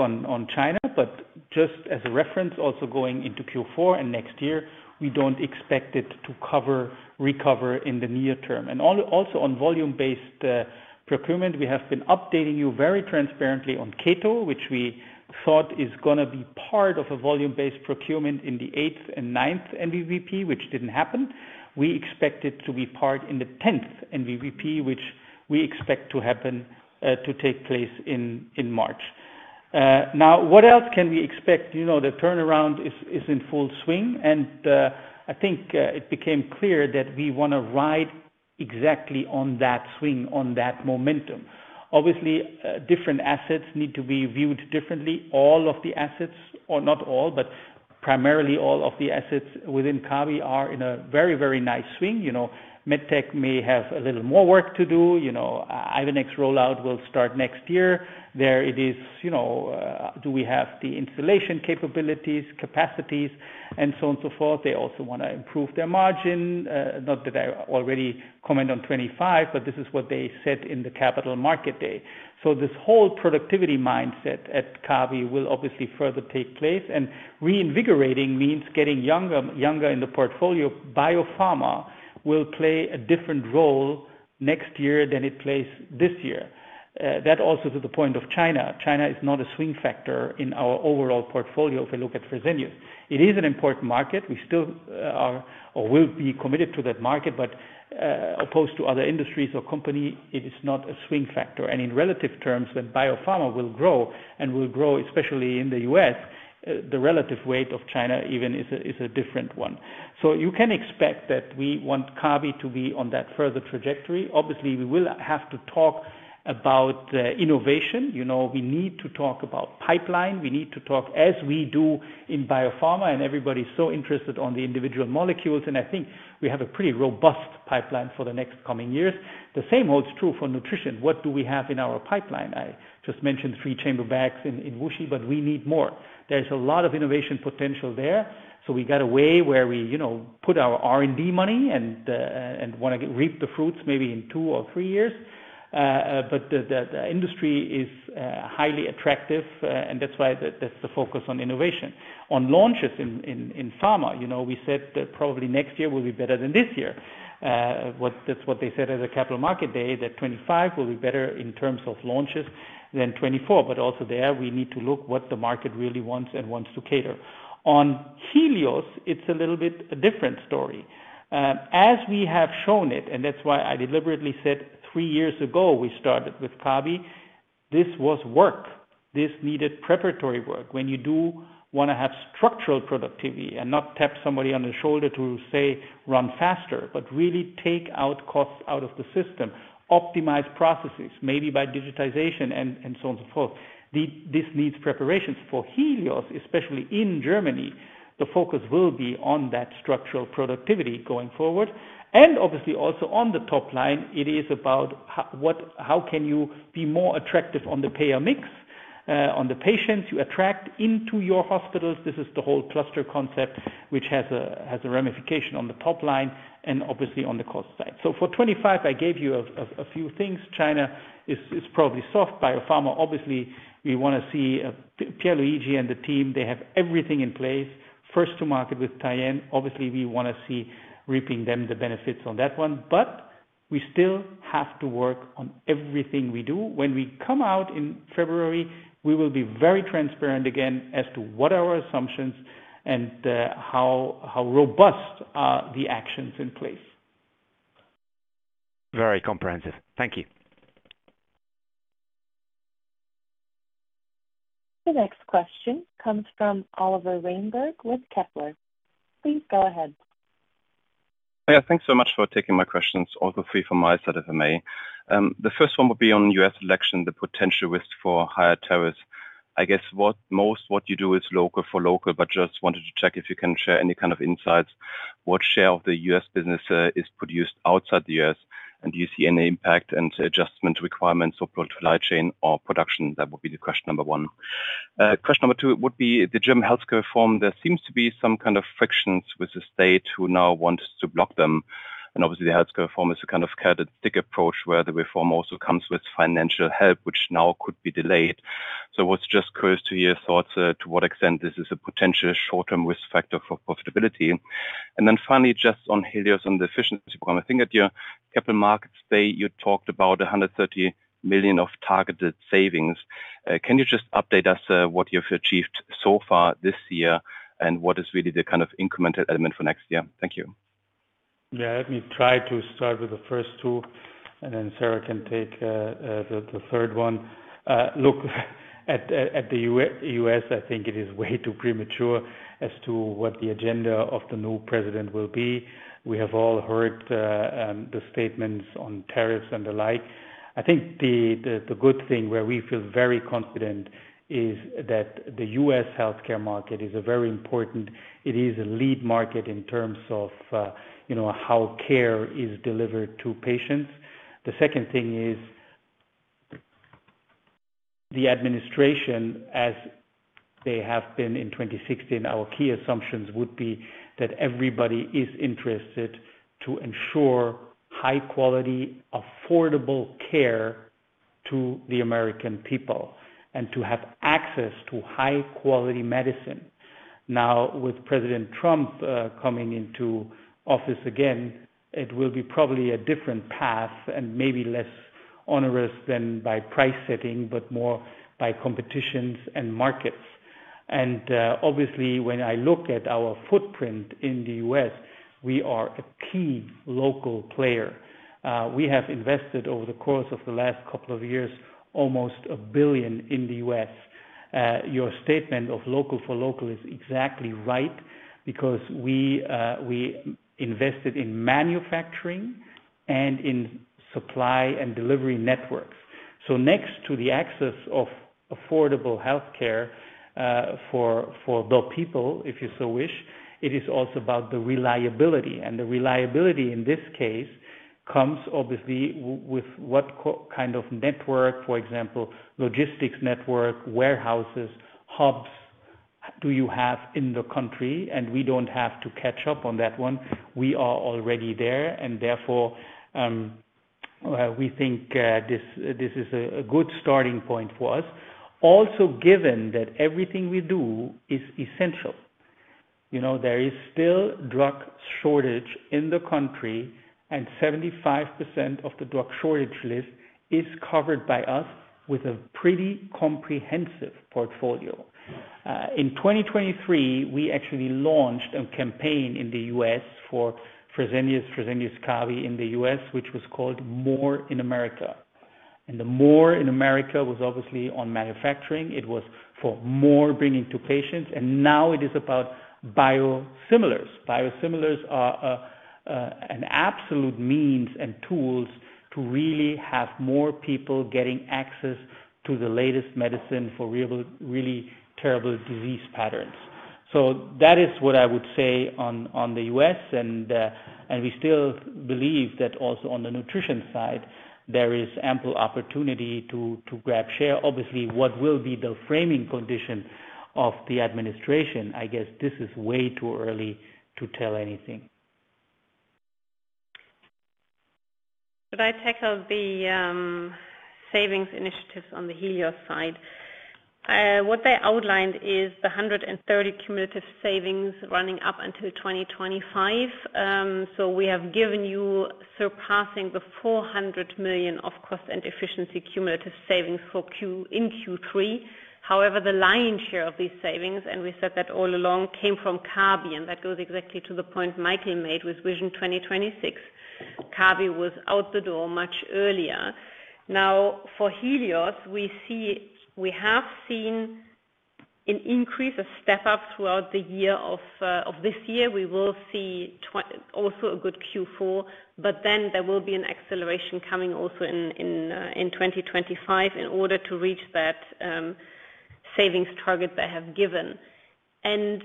down on China. But just as a reference, also going into Q4 and next year, we don't expect it to recover in the near term. And also on volume-based procurement, we have been updating you very transparently on Keto, which we thought is going to be part of a volume-based procurement in the eighth and ninth NVBP, which didn't happen. We expect it to be part in the tenth NVBP, which we expect to take place in March. Now, what else can we expect? The turnaround is in full swing. And I think it became clear that we want to ride exactly on that swing, on that momentum. Obviously, different assets need to be viewed differently. All of the assets, or not all, but primarily all of the assets within Kabi are in a very, very nice swing. MedTech may have a little more work to do. Ivenix rollout will start next year. There it is. Do we have the installation capabilities, capacities, and so on and so forth? They also want to improve their margin. Not that I already comment on 2025, but this is what they said in the Capital Market Day. So this whole productivity mindset at Kabi will obviously further take place, and reinvigorating means getting younger in the portfolio. Biopharma will play a different role next year than it plays this year. That also to the point of China. China is not a swing factor in our overall portfolio if we look at Fresenius. It is an important market. We still are or will be committed to that market. But opposed to other industries or companies, it is not a swing factor. And in relative terms, when biopharma will grow and will grow, especially in the U.S., the relative weight of China even is a different one. So you can expect that we want Kabi to be on that further trajectory. Obviously, we will have to talk about innovation. We need to talk about pipeline. We need to talk as we do in biopharma. And everybody's so interested on the individual molecules. And I think we have a pretty robust pipeline for the next coming years. The same holds true for nutrition. What do we have in our pipeline? I just mentioned three chamber bags in Wuxi, but we need more. There's a lot of innovation potential there. So we got a way where we put our R&D money and want to reap the fruits maybe in two or three years. But the industry is highly attractive. And that's why that's the focus on innovation. On launches in pharma, we said that probably next year will be better than this year. That's what they said at the Capital Market Day, that 2025 will be better in terms of launches than 2024. But also there, we need to look what the market really wants and wants to cater. On Helios, it's a little bit a different story. As we have shown it, and that's why I deliberately said three years ago we started with Kabi, this was work. This needed preparatory work. When you do want to have structural productivity and not tap somebody on the shoulder to say, "Run faster," but really take out costs out of the system, optimize processes maybe by digitization and so on and so forth. This needs preparations. For Helios, especially in Germany, the focus will be on that structural productivity going forward. And obviously, also on the top line, it is about how can you be more attractive on the payer mix, on the patients you attract into your hospitals. This is the whole cluster concept, which has a ramification on the top line and obviously on the cost side. So for 2025, I gave you a few things. China is probably soft. Biopharma, obviously, we want to see Pierluigi and the team. They have everything in place. First to market with Tyenne. Obviously, we want to see reaping them the benefits on that one. But we still have to work on everything we do. When we come out in February, we will be very transparent again as to what our assumptions and how robust are the actions in place. Very comprehensive. Thank you. The next question comes from Oliver Reinberg with Kepler. Please go ahead. Yeah. Thanks so much for taking my questions. Also free from my side if I may. The first one would be on U.S. election, the potential risk for higher tariffs. I guess most what you do is local for local, but just wanted to check if you can share any kind of insights. What share of the U.S. business is produced outside the U.S.? And do you see any impact and adjustment requirements for supply chain or production? That would be the question number one. Question number two would be the German healthcare reform. There seems to be some kind of friction with the state who now wants to block them. And obviously, the healthcare reform is a kind of carrot-and-stick approach where the reform also comes with financial help, which now could be delayed. I was just curious to hear thoughts to what extent this is a potential short-term risk factor for profitability. And then finally, just on Helios and the efficiency program, I think at your Capital Markets Day, you talked about 130 million of targeted savings. Can you just update us what you've achieved so far this year and what is really the kind of incremental element for next year? Thank you. Yeah. Let me try to start with the first two, and then Sara can take the third one. Look, at the U.S., I think it is way too premature as to what the agenda of the new president will be. We have all heard the statements on tariffs and the like. I think the good thing where we feel very confident is that the U.S. healthcare market is very important. It is a lead market in terms of how care is delivered to patients. The second thing is the administration, as they have been in 2016, our key assumptions would be that everybody is interested to ensure high-quality, affordable care to the American people and to have access to high-quality medicine. Now, with President Trump coming into office again, it will be probably a different path and maybe less onerous than by price setting, but more by competitions and markets. And obviously, when I look at our footprint in the U.S., we are a key local player. We have invested over the course of the last couple of years almost $1 billion in the U.S. Your statement of local for local is exactly right because we invested in manufacturing and in supply and delivery networks. Next to the access of affordable healthcare for the people, if you so wish, it is also about the reliability. And the reliability in this case comes obviously with what kind of network, for example, logistics network, warehouses, hubs do you have in the country? And we don't have to catch up on that one. We are already there. And therefore, we think this is a good starting point for us. Also given that everything we do is essential. There is still drug shortage in the country, and 75% of the drug shortage list is covered by us with a pretty comprehensive portfolio. In 2023, we actually launched a campaign in the U.S. for Fresenius, Fresenius Kabi in the U.S., which was called More in America. And the More in America was obviously on manufacturing. It was for more bringing to patients. And now it is about biosimilars. Biosimilars are an absolute means and tools to really have more people getting access to the latest medicine for really terrible disease patterns. So that is what I would say on the U.S. And we still believe that also on the nutrition side, there is ample opportunity to grab share. Obviously, what will be the framing condition of the administration, I guess this is way too early to tell anything. Could I tackle the savings initiatives on the Helios side? What they outlined is the €130 cumulative savings running up until 2025. So we have given you surpassing the €400 million of cost and efficiency cumulative savings in Q3. However, the lion's share of these savings, and we said that all along, came from Kabi. And that goes exactly to the point Michael made with Vision 2026. Kabi was out the door much earlier. Now, for Helios, we have seen an increase, a step up throughout the year, this year. We will see also a good Q4. But then there will be an acceleration coming also in 2025 in order to reach that savings target they have given. And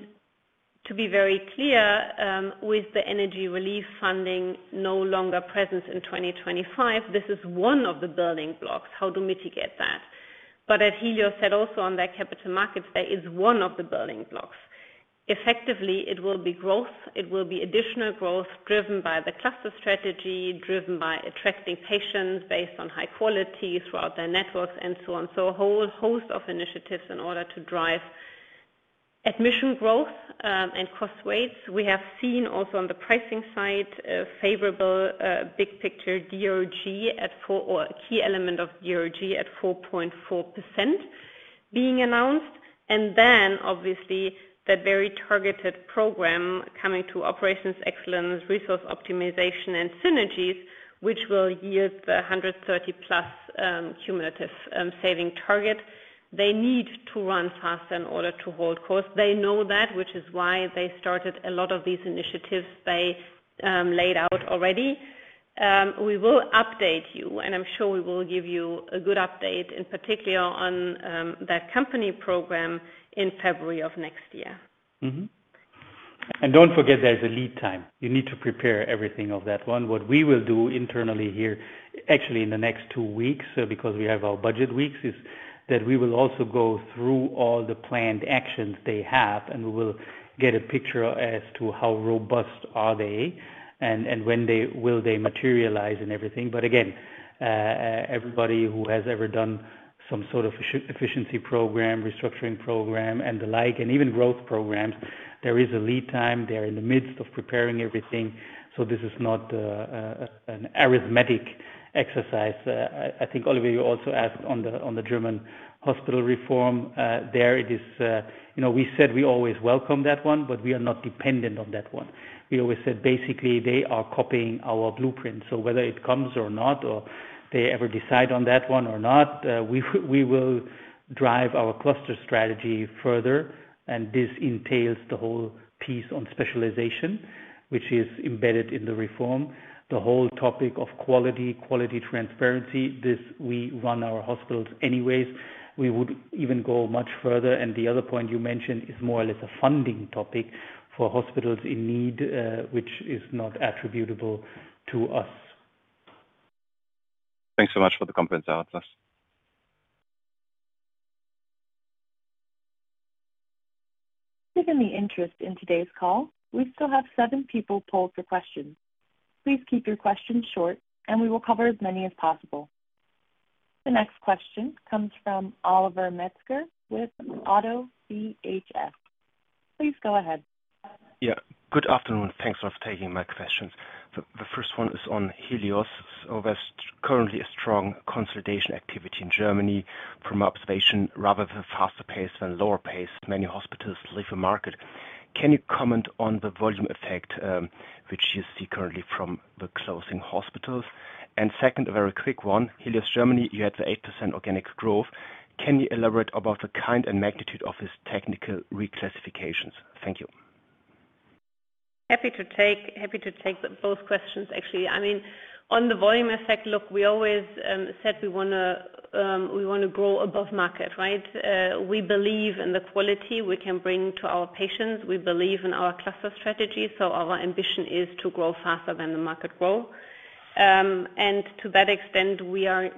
to be very clear, with the energy relief funding no longer present in 2025, this is one of the building blocks. How to mitigate that? But as Helios said also on their Capital Markets, there is one of the building blocks. Effectively, it will be growth. It will be additional growth driven by the cluster strategy, driven by attracting patients based on high quality throughout their networks and so on. So a whole host of initiatives in order to drive admission growth and cost weights. We have seen also on the pricing side, favorable big picture ASP, a key element of ASP at 4.4%, being announced. And then, obviously, that very targeted program coming to operations excellence, resource optimization, and synergies, which will yield the 130-plus cumulative savings target. They need to run faster in order to hold course. They know that, which is why they started a lot of these initiatives they laid out already. We will update you. And I'm sure we will give you a good update, in particular on that company program in February of next year. And don't forget there's a lead time. You need to prepare everything of that one. What we will do internally here, actually in the next two weeks, because we have our budget weeks, is that we will also go through all the planned actions they have. And we will get a picture as to how robust are they and when will they materialize and everything. But again, everybody who has ever done some sort of efficiency program, restructuring program, and the like, and even growth programs, there is a lead time. They're in the midst of preparing everything. So this is not an arithmetic exercise. I think Oliver, you also asked on the German hospital reform. There it is. We said we always welcome that one, but we are not dependent on that one. We always said basically they are copying our blueprint. So whether it comes or not, or they ever decide on that one or not, we will drive our cluster strategy further. And this entails the whole piece on specialization, which is embedded in the reform. The whole topic of quality, quality transparency, this we run our hospitals anyways. We would even go much further, and the other point you mentioned is more or less a funding topic for hospitals in need, which is not attributable to us. Thanks so much for the comprehensive answers. Given the interest in today's call, we still have seven people polled for questions. Please keep your questions short, and we will cover as many as possible. The next question comes from Oliver Metzger with ODDO BHF. Please go ahead. Yeah. Good afternoon. Thanks for taking my questions. The first one is on Helios. So there's currently a strong consolidation activity in Germany from observation, rather the faster pace than lower pace. Many hospitals leave the market. Can you comment on the volume effect which you see currently from the closing hospitals? And second, a very quick one. Helios Germany, you had the 8% organic growth. Can you elaborate about the kind and magnitude of these technical reclassifications? Thank you. Happy to take both questions, actually. I mean, on the volume effect, look, we always said we want to grow above market, right? We believe in the quality we can bring to our patients. We believe in our cluster strategy. So our ambition is to grow faster than the market grow. And to that extent,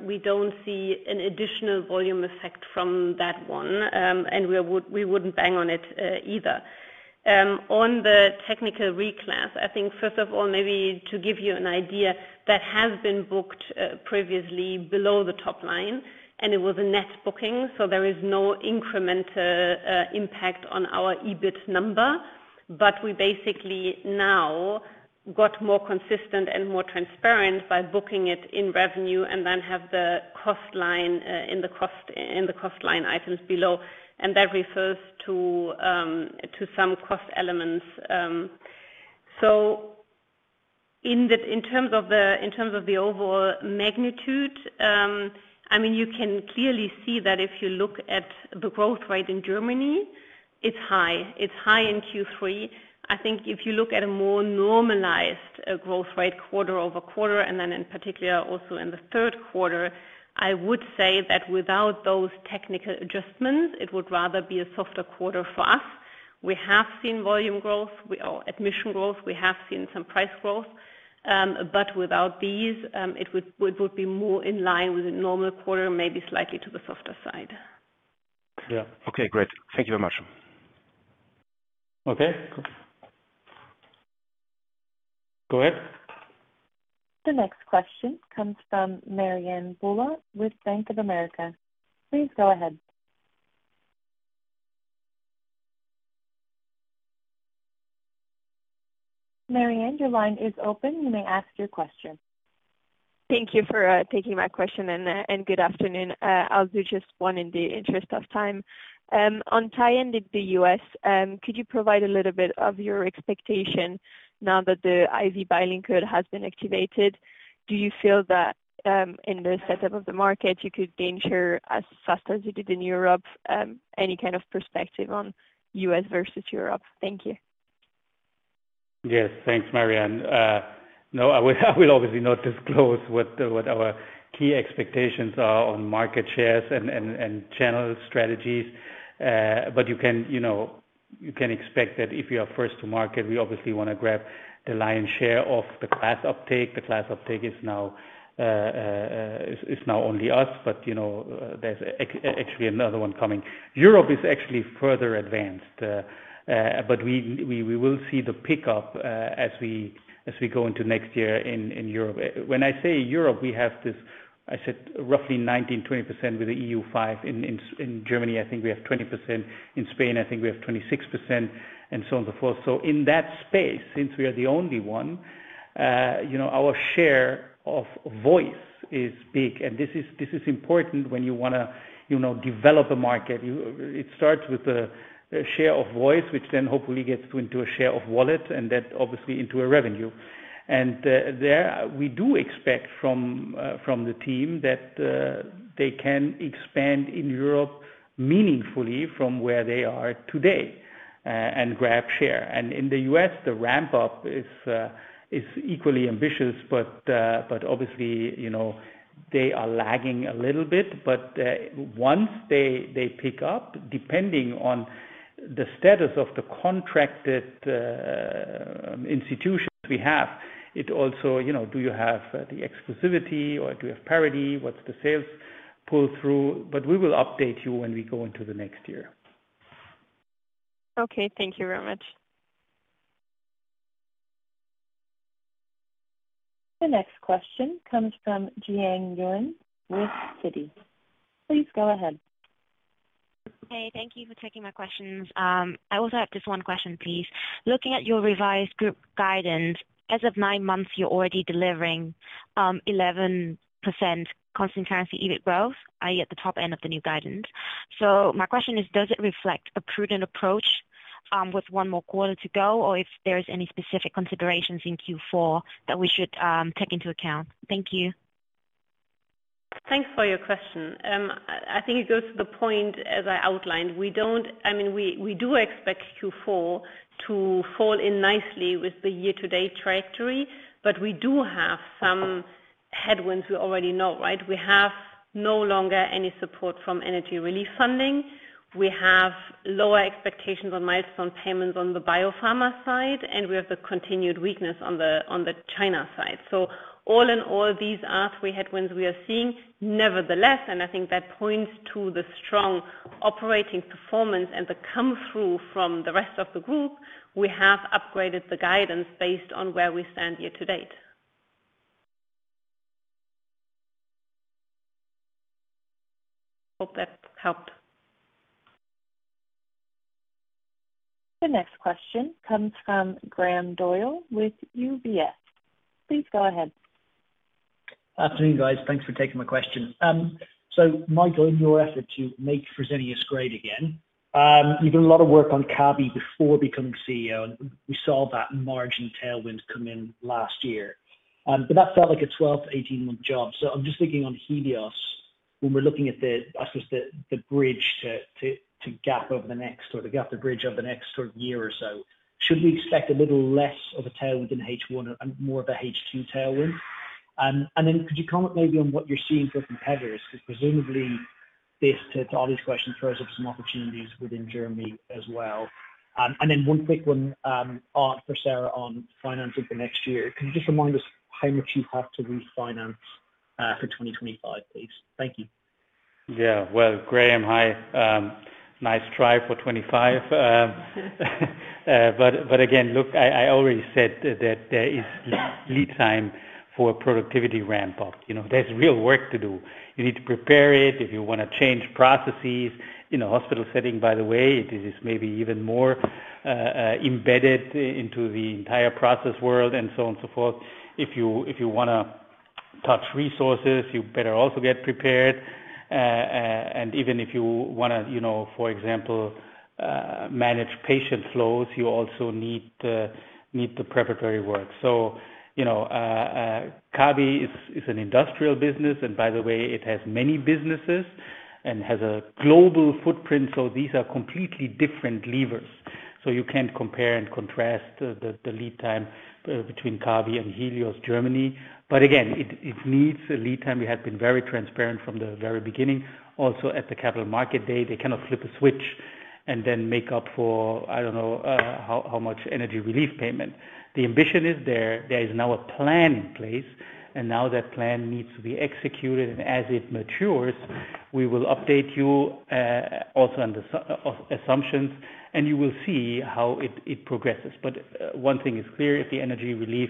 we don't see an additional volume effect from that one. And we wouldn't bang on it either. On the technical reclass, I think first of all, maybe to give you an idea, that has been booked previously below the top line. And it was a net booking. So there is no incremental impact on our EBIT number. But we basically now got more consistent and more transparent by booking it in revenue and then have the cost line in the cost line items below. And that refers to some cost elements. So in terms of the overall magnitude, I mean, you can clearly see that if you look at the growth rate in Germany, it's high. It's high in Q3. I think if you look at a more normalized growth rate quarter over quarter, and then in particular also in the third quarter, I would say that without those technical adjustments, it would rather be a softer quarter for us. We have seen volume growth or admission growth. We have seen some price growth. But without these, it would be more in line with a normal quarter, maybe slightly to the softer side. Yeah. Okay. Great. Thank you very much. Okay. Go ahead. The next question comes from Marianne Bulot with Bank of America. Please go ahead. Marianne, your line is open. You may ask your question. Thank you for taking my question. And good afternoon. I'll do just one in the interest of time. On Tyenne with the U.S., could you provide a little bit of your expectation now that the IV billing code has been activated? Do you feel that in the setup of the market, you could venture as fast as you did in Europe? Any kind of perspective on U.S. versus Europe? Thank you. Yes. Thanks, Marianne. No, I will obviously not disclose what our key expectations are on market shares and channel strategies. But you can expect that if you are first to market, we obviously want to grab the lion's share of the class uptake. The class uptake is now only us, but there's actually another one coming. Europe is actually further advanced, but we will see the pickup as we go into next year in Europe. When I say Europe, we have this, I said, roughly 19-20% with the EU5. In Germany, I think we have 20%. In Spain, I think we have 26%, and so on and so forth, so in that space, since we are the only one, our share of voice is big, and this is important when you want to develop a market. It starts with a share of voice, which then hopefully gets into a share of wallet, and then obviously into a revenue, and there, we do expect from the team that they can expand in Europe meaningfully from where they are today and grab share, and in the U.S., the ramp-up is equally ambitious. But obviously, they are lagging a little bit. But once they pick up, depending on the status of the contracted institutions we have, it also, do you have the exclusivity or do you have parity? What's the sales pull-through? But we will update you when we go into the next year. Okay. Thank you very much. The next question comes from Yuan Jiang with Citi. Please go ahead. Hey, thank you for taking my questions. I will just add just one question, please. Looking at your revised group guidance, as of nine months, you're already delivering 11% constant currency EBIT growth, i.e., at the top end of the new guidance. So my question is, does it reflect a prudent approach with one more quarter to go, or if there are any specific considerations in Q4 that we should take into account? Thank you. Thanks for your question. I think it goes to the point, as I outlined. I mean, we do expect Q4 to fall in nicely with the year-to-date trajectory. But we do have some headwinds we already know, right? We have no longer any support from energy relief funding. We have lower expectations on milestone payments on the biopharma side. And we have the continued weakness on the China side. So all in all, these are three headwinds we are seeing. Nevertheless, and I think that points to the strong operating performance and the come-through from the rest of the group, we have upgraded the guidance based on where we stand year to date. Hope that helped. The next question comes from Graham Doyle with UBS. Please go ahead. Afternoon, guys. Thanks for taking my question. So Michael, in your effort to make Fresenius great again, you've done a lot of work on Kabi before becoming CEO. And we saw that margin tailwind come in last year. But that felt like a 12-18-month job. So I'm just thinking on Helios, when we're looking at the, I suppose, the bridge to gap over the next or to gap the bridge over the next sort of year or so, should we expect a little less of a tailwind in H1 and more of a H2 tailwind? And then could you comment maybe on what you're seeing for competitors? Because presumably, based on all these questions, throws up some opportunities within Germany as well. And then one quick one, and for Sara on financing for next year. Could you just remind us how much you have to refinance for 2025, please? Thank you. Yeah. Well, Graham, hi. Nice try for '25. But again, look, I already said that there is lead time for productivity ramp-up. There's real work to do. You need to prepare it if you want to change processes. In a hospital setting, by the way, it is maybe even more embedded into the entire process world and so on and so forth. If you want to touch resources, you better also get prepared. And even if you want to, for example, manage patient flows, you also need the preparatory work. So Kabi is an industrial business. And by the way, it has many businesses and has a global footprint. So these are completely different levers. So you can't compare and contrast the lead time between Kabi and Helios Germany. But again, it needs a lead time. We have been very transparent from the very beginning. Also, at the Capital Market Day, they cannot flip a switch and then make up for, I don't know, how much energy relief payment. The ambition is there. There is now a plan in place, and now that plan needs to be executed, and as it matures, we will update you also on the assumptions, and you will see how it progresses. But one thing is clear. If the energy relief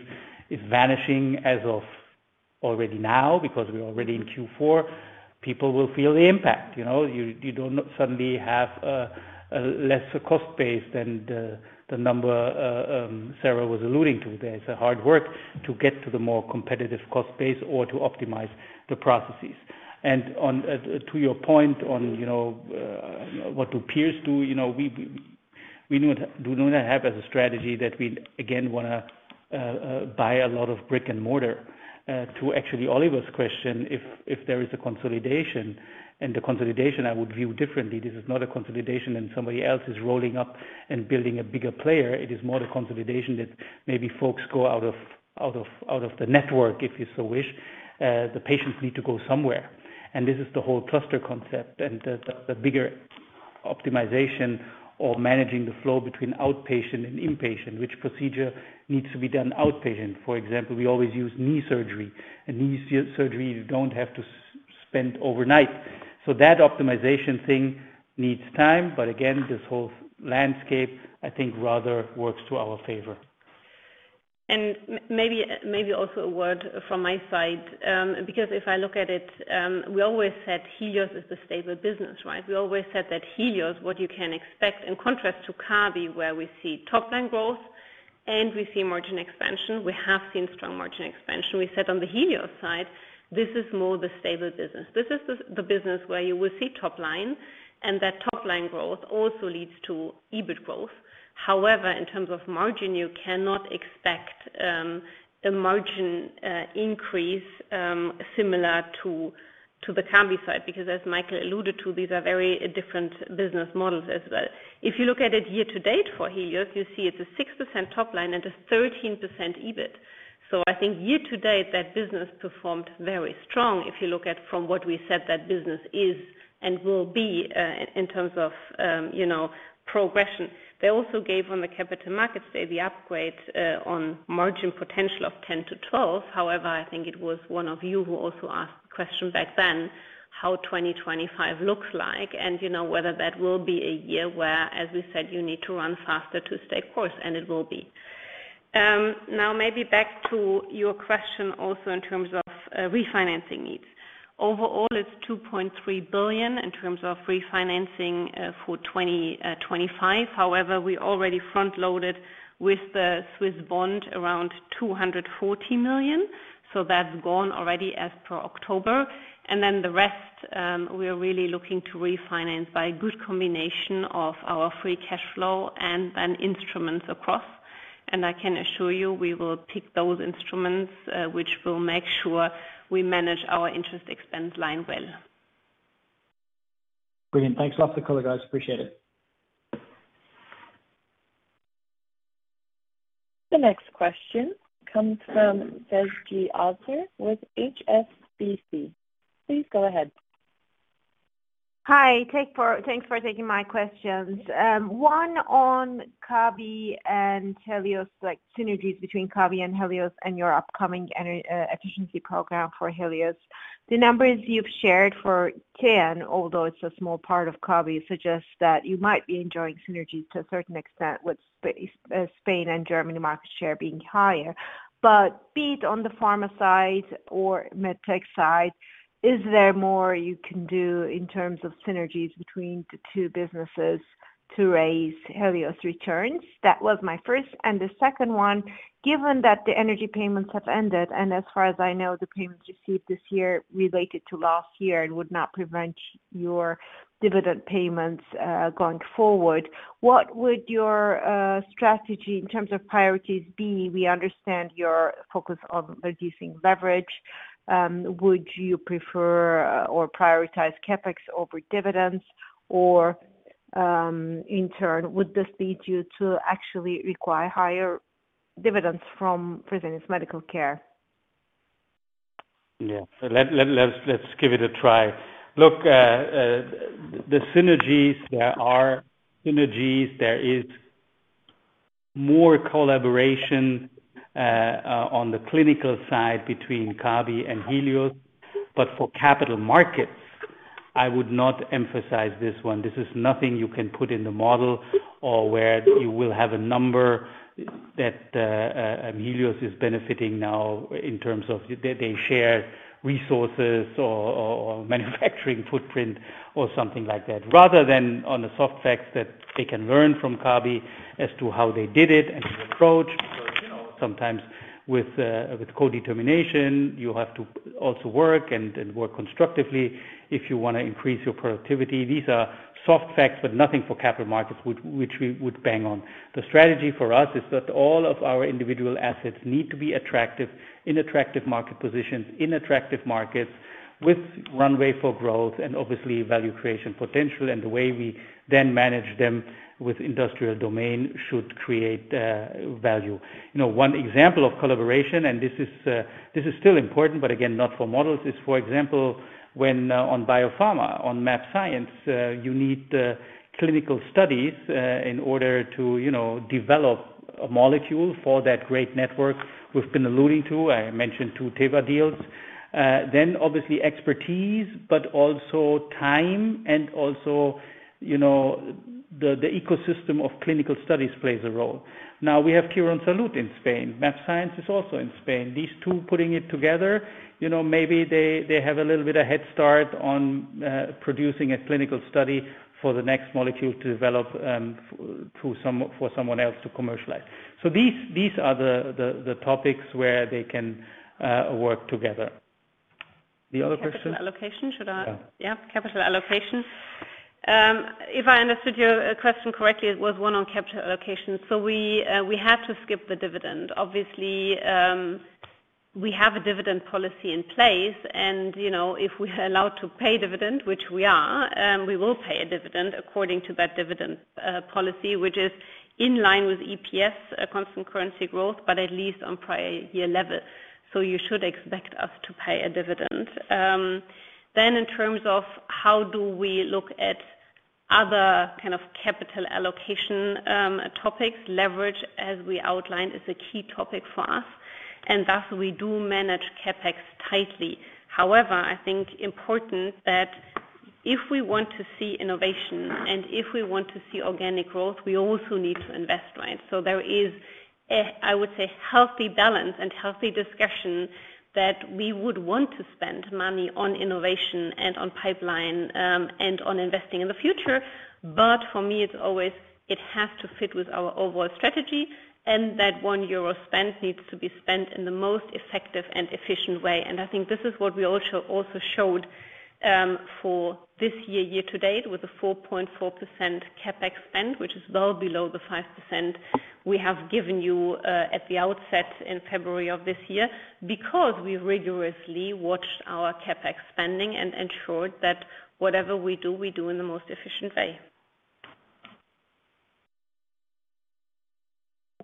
is vanishing as of already now because we're already in Q4, people will feel the impact. You don't suddenly have a lesser cost base than the number Sara was alluding to. There's a hard work to get to the more competitive cost base or to optimize the processes, and to your point on what do peers do, we do not have as a strategy that we, again, want to buy a lot of brick and mortar. To actually Oliver's question, if there is a consolidation, and the consolidation, I would view differently. This is not a consolidation and somebody else is rolling up and building a bigger player. It is more the consolidation that maybe folks go out of the network, if you so wish. The patients need to go somewhere, and this is the whole cluster concept, and the bigger optimization or managing the flow between outpatient and inpatient, which procedure needs to be done outpatient. For example, we always use knee surgery, and knee surgery, you don't have to spend overnight, so that optimization thing needs time, but again, this whole landscape, I think, rather works to our favor, and maybe also a word from my side. Because if I look at it, we always said Helios is the stable business, right? We always said that Helios, what you can expect, in contrast to Kabi, where we see top-line growth and we see margin expansion, we have seen strong margin expansion. We said on the Helios side, this is more the stable business. This is the business where you will see top-line, and that top-line growth also leads to EBIT growth. However, in terms of margin, you cannot expect a margin increase similar to the Kabi side. Because as Michael alluded to, these are very different business models as well. If you look at it year to date for Helios, you see it's a 6% top-line and a 13% EBIT. So I think year to date, that business performed very strong if you look at from what we said that business is and will be in terms of progression. They also gave on the Capital Markets Day the upgrade on margin potential of 10%-12%. However, I think it was one of you who also asked the question back then how 2025 looks like and whether that will be a year where, as we said, you need to run faster to stay course, and it will be. Now, maybe back to your question also in terms of refinancing needs. Overall, it's 2.3 billion in terms of refinancing for 2025. However, we already front-loaded with the Swiss bond around 240 million. So that's gone already as per October, and then the rest, we are really looking to refinance by a good combination of our free cash flow and then instruments across, and I can assure you we will pick those instruments which will make sure we manage our interest expense line well. Brilliant. Thanks lots for the color, guys. Appreciate it. The next question comes from Sezgi Ozener with HSBC. Please go ahead. Hi. Thanks for taking my questions. One on Kabi and Helios, like synergies between Kabi and Helios and your upcoming efficiency program for Helios. The numbers you've shared for Kabi, although it's a small part of Kabi, suggest that you might be enjoying synergies to a certain extent with Spain and Germany market share being higher. But be it on the pharma side or medtech side, is there more you can do in terms of synergies between the two businesses to raise Helios returns? That was my first. And the second one, given that the energy payments have ended, and as far as I know, the payments received this year related to last year and would not prevent your dividend payments going forward, what would your strategy in terms of priorities be? We understand your focus on reducing leverage. Would you prefer or prioritize CapEx over dividends? Or in turn, would this lead you to actually require higher dividends from Fresenius Medical Care? Yeah. Let's give it a try. Look, the synergies. There are synergies. There is more collaboration on the clinical side between Kabi and Helios. But for Capital Markets, I would not emphasize this one. This is nothing you can put in the model or where you will have a number that Helios is benefiting now in terms of they share resources or manufacturing footprint or something like that, rather than on the soft facts that they can learn from Kabi as to how they did it and the approach. Because sometimes with co-determination, you have to also work and work constructively if you want to increase your productivity. These are soft facts, but nothing for Capital Markets, which we would bang on. The strategy for us is that all of our individual assets need to be in attractive market positions, in attractive markets with runway for growth and obviously value creation potential, and the way we then manage them with industrial domain should create value. One example of collaboration, and this is still important, but again, not for models, is for example, when on biopharma, on mAbxience, you need clinical studies in order to develop a molecule for that great network we've been alluding to. I mentioned two Teva deals, then obviously expertise, but also time and also the ecosystem of clinical studies plays a role. Now, we have Quirónsalud in Spain. mAbxience is also in Spain. These two putting it together, maybe they have a little bit of head start on producing a clinical study for the next molecule to develop for someone else to commercialize. So these are the topics where they can work together. The other question? Capital allocation. Should I? Yeah. Yeah. Capital allocation. If I understood your question correctly, it was one on capital allocation. So we have to skip the dividend. Obviously, we have a dividend policy in place. And if we are allowed to pay dividend, which we are, we will pay a dividend according to that dividend policy, which is in line with EPS, constant currency growth, but at least on prior year level. So you should expect us to pay a dividend. Then in terms of how do we look at other kind of capital allocation topics, leverage, as we outlined, is a key topic for us. And thus, we do manage CapEx tightly. However, I think important that if we want to see innovation and if we want to see organic growth, we also need to invest, right? So there is, I would say, healthy balance and healthy discussion that we would want to spend money on innovation and on pipeline and on investing in the future. But for me, it's always it has to fit with our overall strategy. And that 1 euro spent needs to be spent in the most effective and efficient way. And I think this is what we also showed for this year, year to date, with a 4.4% CapEx spend, which is well below the 5% we have given you at the outset in February of this year because we rigorously watched our CapEx spending and ensured that whatever we do, we do in the most efficient way.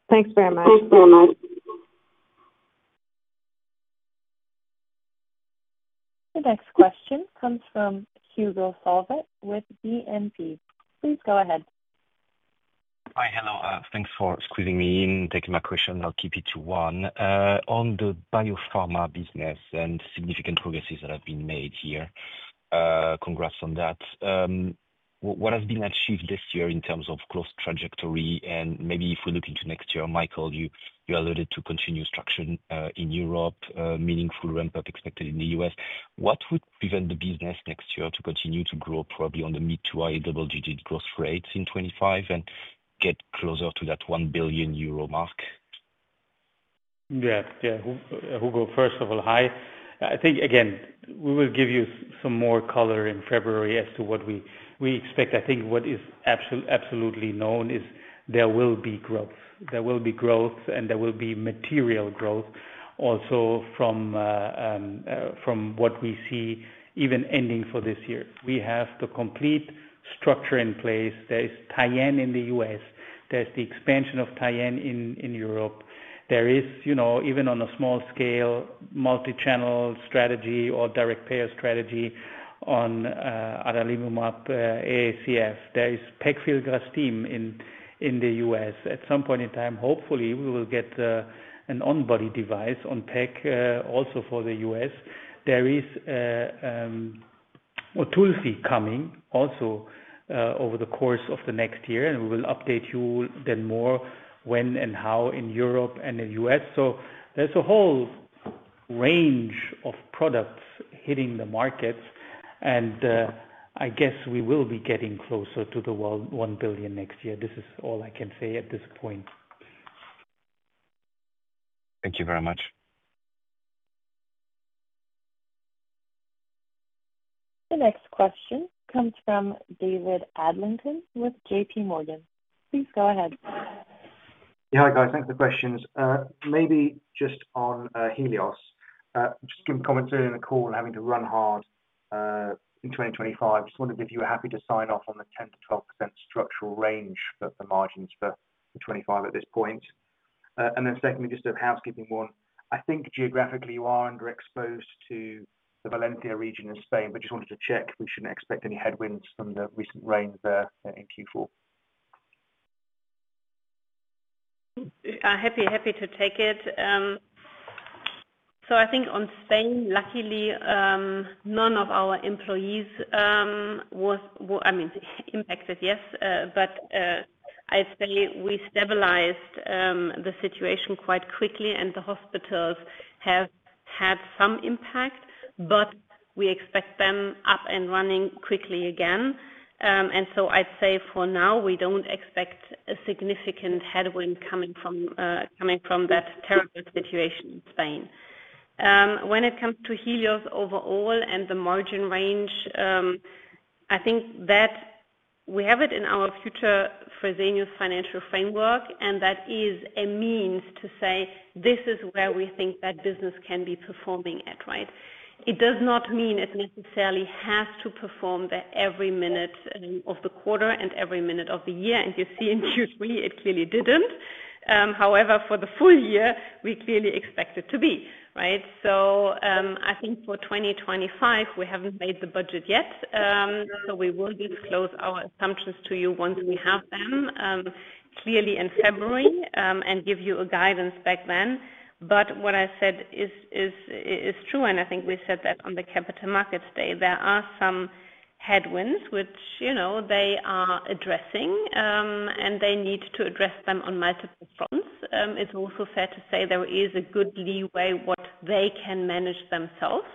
Thanks very much. Thanks very much. The next question comes from Hugo Solvet with BNP. Please go ahead. Hi. Hello. Thanks for squeezing me in, taking my question. I'll keep it to one. On the biopharma business and significant progresses that have been made here, congrats on that. What has been achieved this year in terms of growth trajectory? And maybe if we look into next year, Michael, you alluded to continued structure in Europe, meaningful ramp-up expected in the U.S. What would prevent the business next year to continue to grow probably on the mid to high double-digit growth rates in 2025 and get closer to that 1 billion euro mark? Yeah. Yeah. Hugo, first of all, hi. I think, again, we will give you some more color in February as to what we expect. I think what is absolutely known is there will be growth. There will be growth, and there will be material growth also from what we see even ending for this year. We have the complete structure in place. There is Tyenne in the U.S. There's the expansion of Tyenne in Europe. There is, even on a small scale, multi-channel strategy or direct payer strategy on adalimumab-aacf. There is pegfilgrastim in the U.S. At some point in time, hopefully, we will get an on-body device on peg also for the U.S. There is a OTULFI coming also over the course of the next year. And we will update you then more when and how in Europe and the U.S. So there's a whole range of products hitting the markets. And I guess we will be getting closer to the 1 billion next year. This is all I can say at this point. Thank you very much. The next question comes from David Adlington with JPMorgan. Please go ahead. Yeah, hi, guys. Thanks for the questions. Maybe just on Helios, just give me comments on the call and having to run hard in 2025. Just wondered if you were happy to sign off on the 10%-12% structural range for the margins for 2025 at this point. And then secondly, just a housekeeping one. I think geographically you are underexposed to the Valencia region in Spain, but just wanted to check. We shouldn't expect any headwinds from the recent rains there in Q4. Happy to take it. So I think on Spain, luckily, none of our employees were, I mean, impacted, yes. But I'd say we stabilized the situation quite quickly, and the hospitals have had some impact. But we expect them up and running quickly again. And so I'd say for now, we don't expect a significant headwind coming from that terrible situation in Spain. When it comes to Helios overall and the margin range, I think that we have it in our future Fresenius financial framework. And that is a means to say, "This is where we think that business can be performing at," right? It does not mean it necessarily has to perform every minute of the quarter and every minute of the year. And you see in Q3, it clearly didn't. However, for the full year, we clearly expect it to be, right? So I think for 2025, we haven't made the budget yet. So we will disclose our assumptions to you once we have them, clearly in February, and give you a guidance back then. But what I said is true. And I think we said that on the Capital Markets Day. There are some headwinds, which they are addressing, and they need to address them on multiple fronts. It's also fair to say there is a good leeway what they can manage themselves,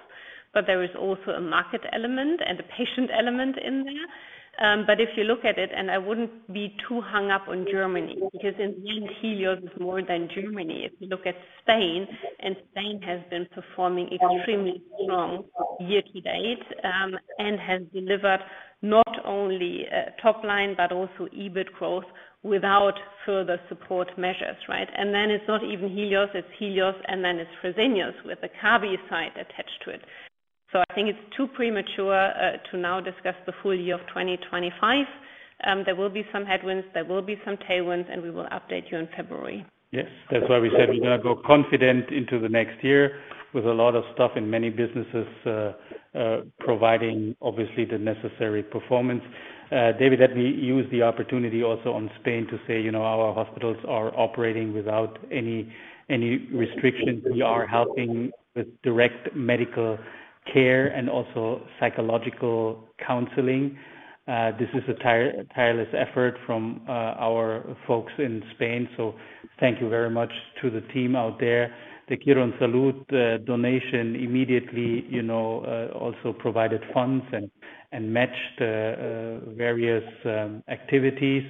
but there is also a market element and a patient element in there, but if you look at it, and I wouldn't be too hung up on Germany because in the end, Helios is more than Germany. If you look at Spain, and Spain has been performing extremely strong year to date and has delivered not only top line but also EBIT growth without further support measures, right, and then it's not even Helios. It's Helios, and then it's Fresenius with the Kabi side attached to it, so I think it's too premature to now discuss the full year of 2025. There will be some headwinds, there will be some tailwinds, and we will update you in February. Yes. That's why we said we're going to go confident into the next year with a lot of stuff in many businesses providing, obviously, the necessary performance. David, let me use the opportunity also on Spain to say our hospitals are operating without any restrictions. We are helping with direct medical care and also psychological counseling. This is a tireless effort from our folks in Spain, so thank you very much to the team out there. The Quirónsalud donation immediately also provided funds and matched various activities,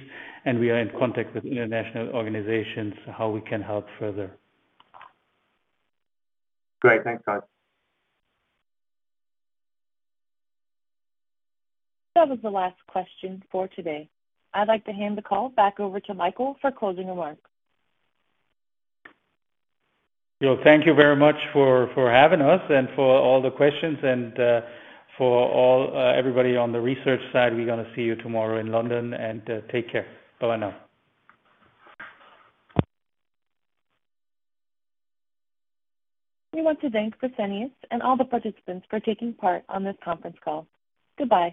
and we are in contact with international organizations how we can help further. Great. Thanks, guys. That was the last question for today. I'd like to hand the call back over to Michael for closing remarks. Thank you very much for having us and for all the questions and for everybody on the research side. We're going to see you tomorrow in London and take care. Bye-bye now. We want to thank Fresenius and all the participants for taking part on this conference call. Goodbye.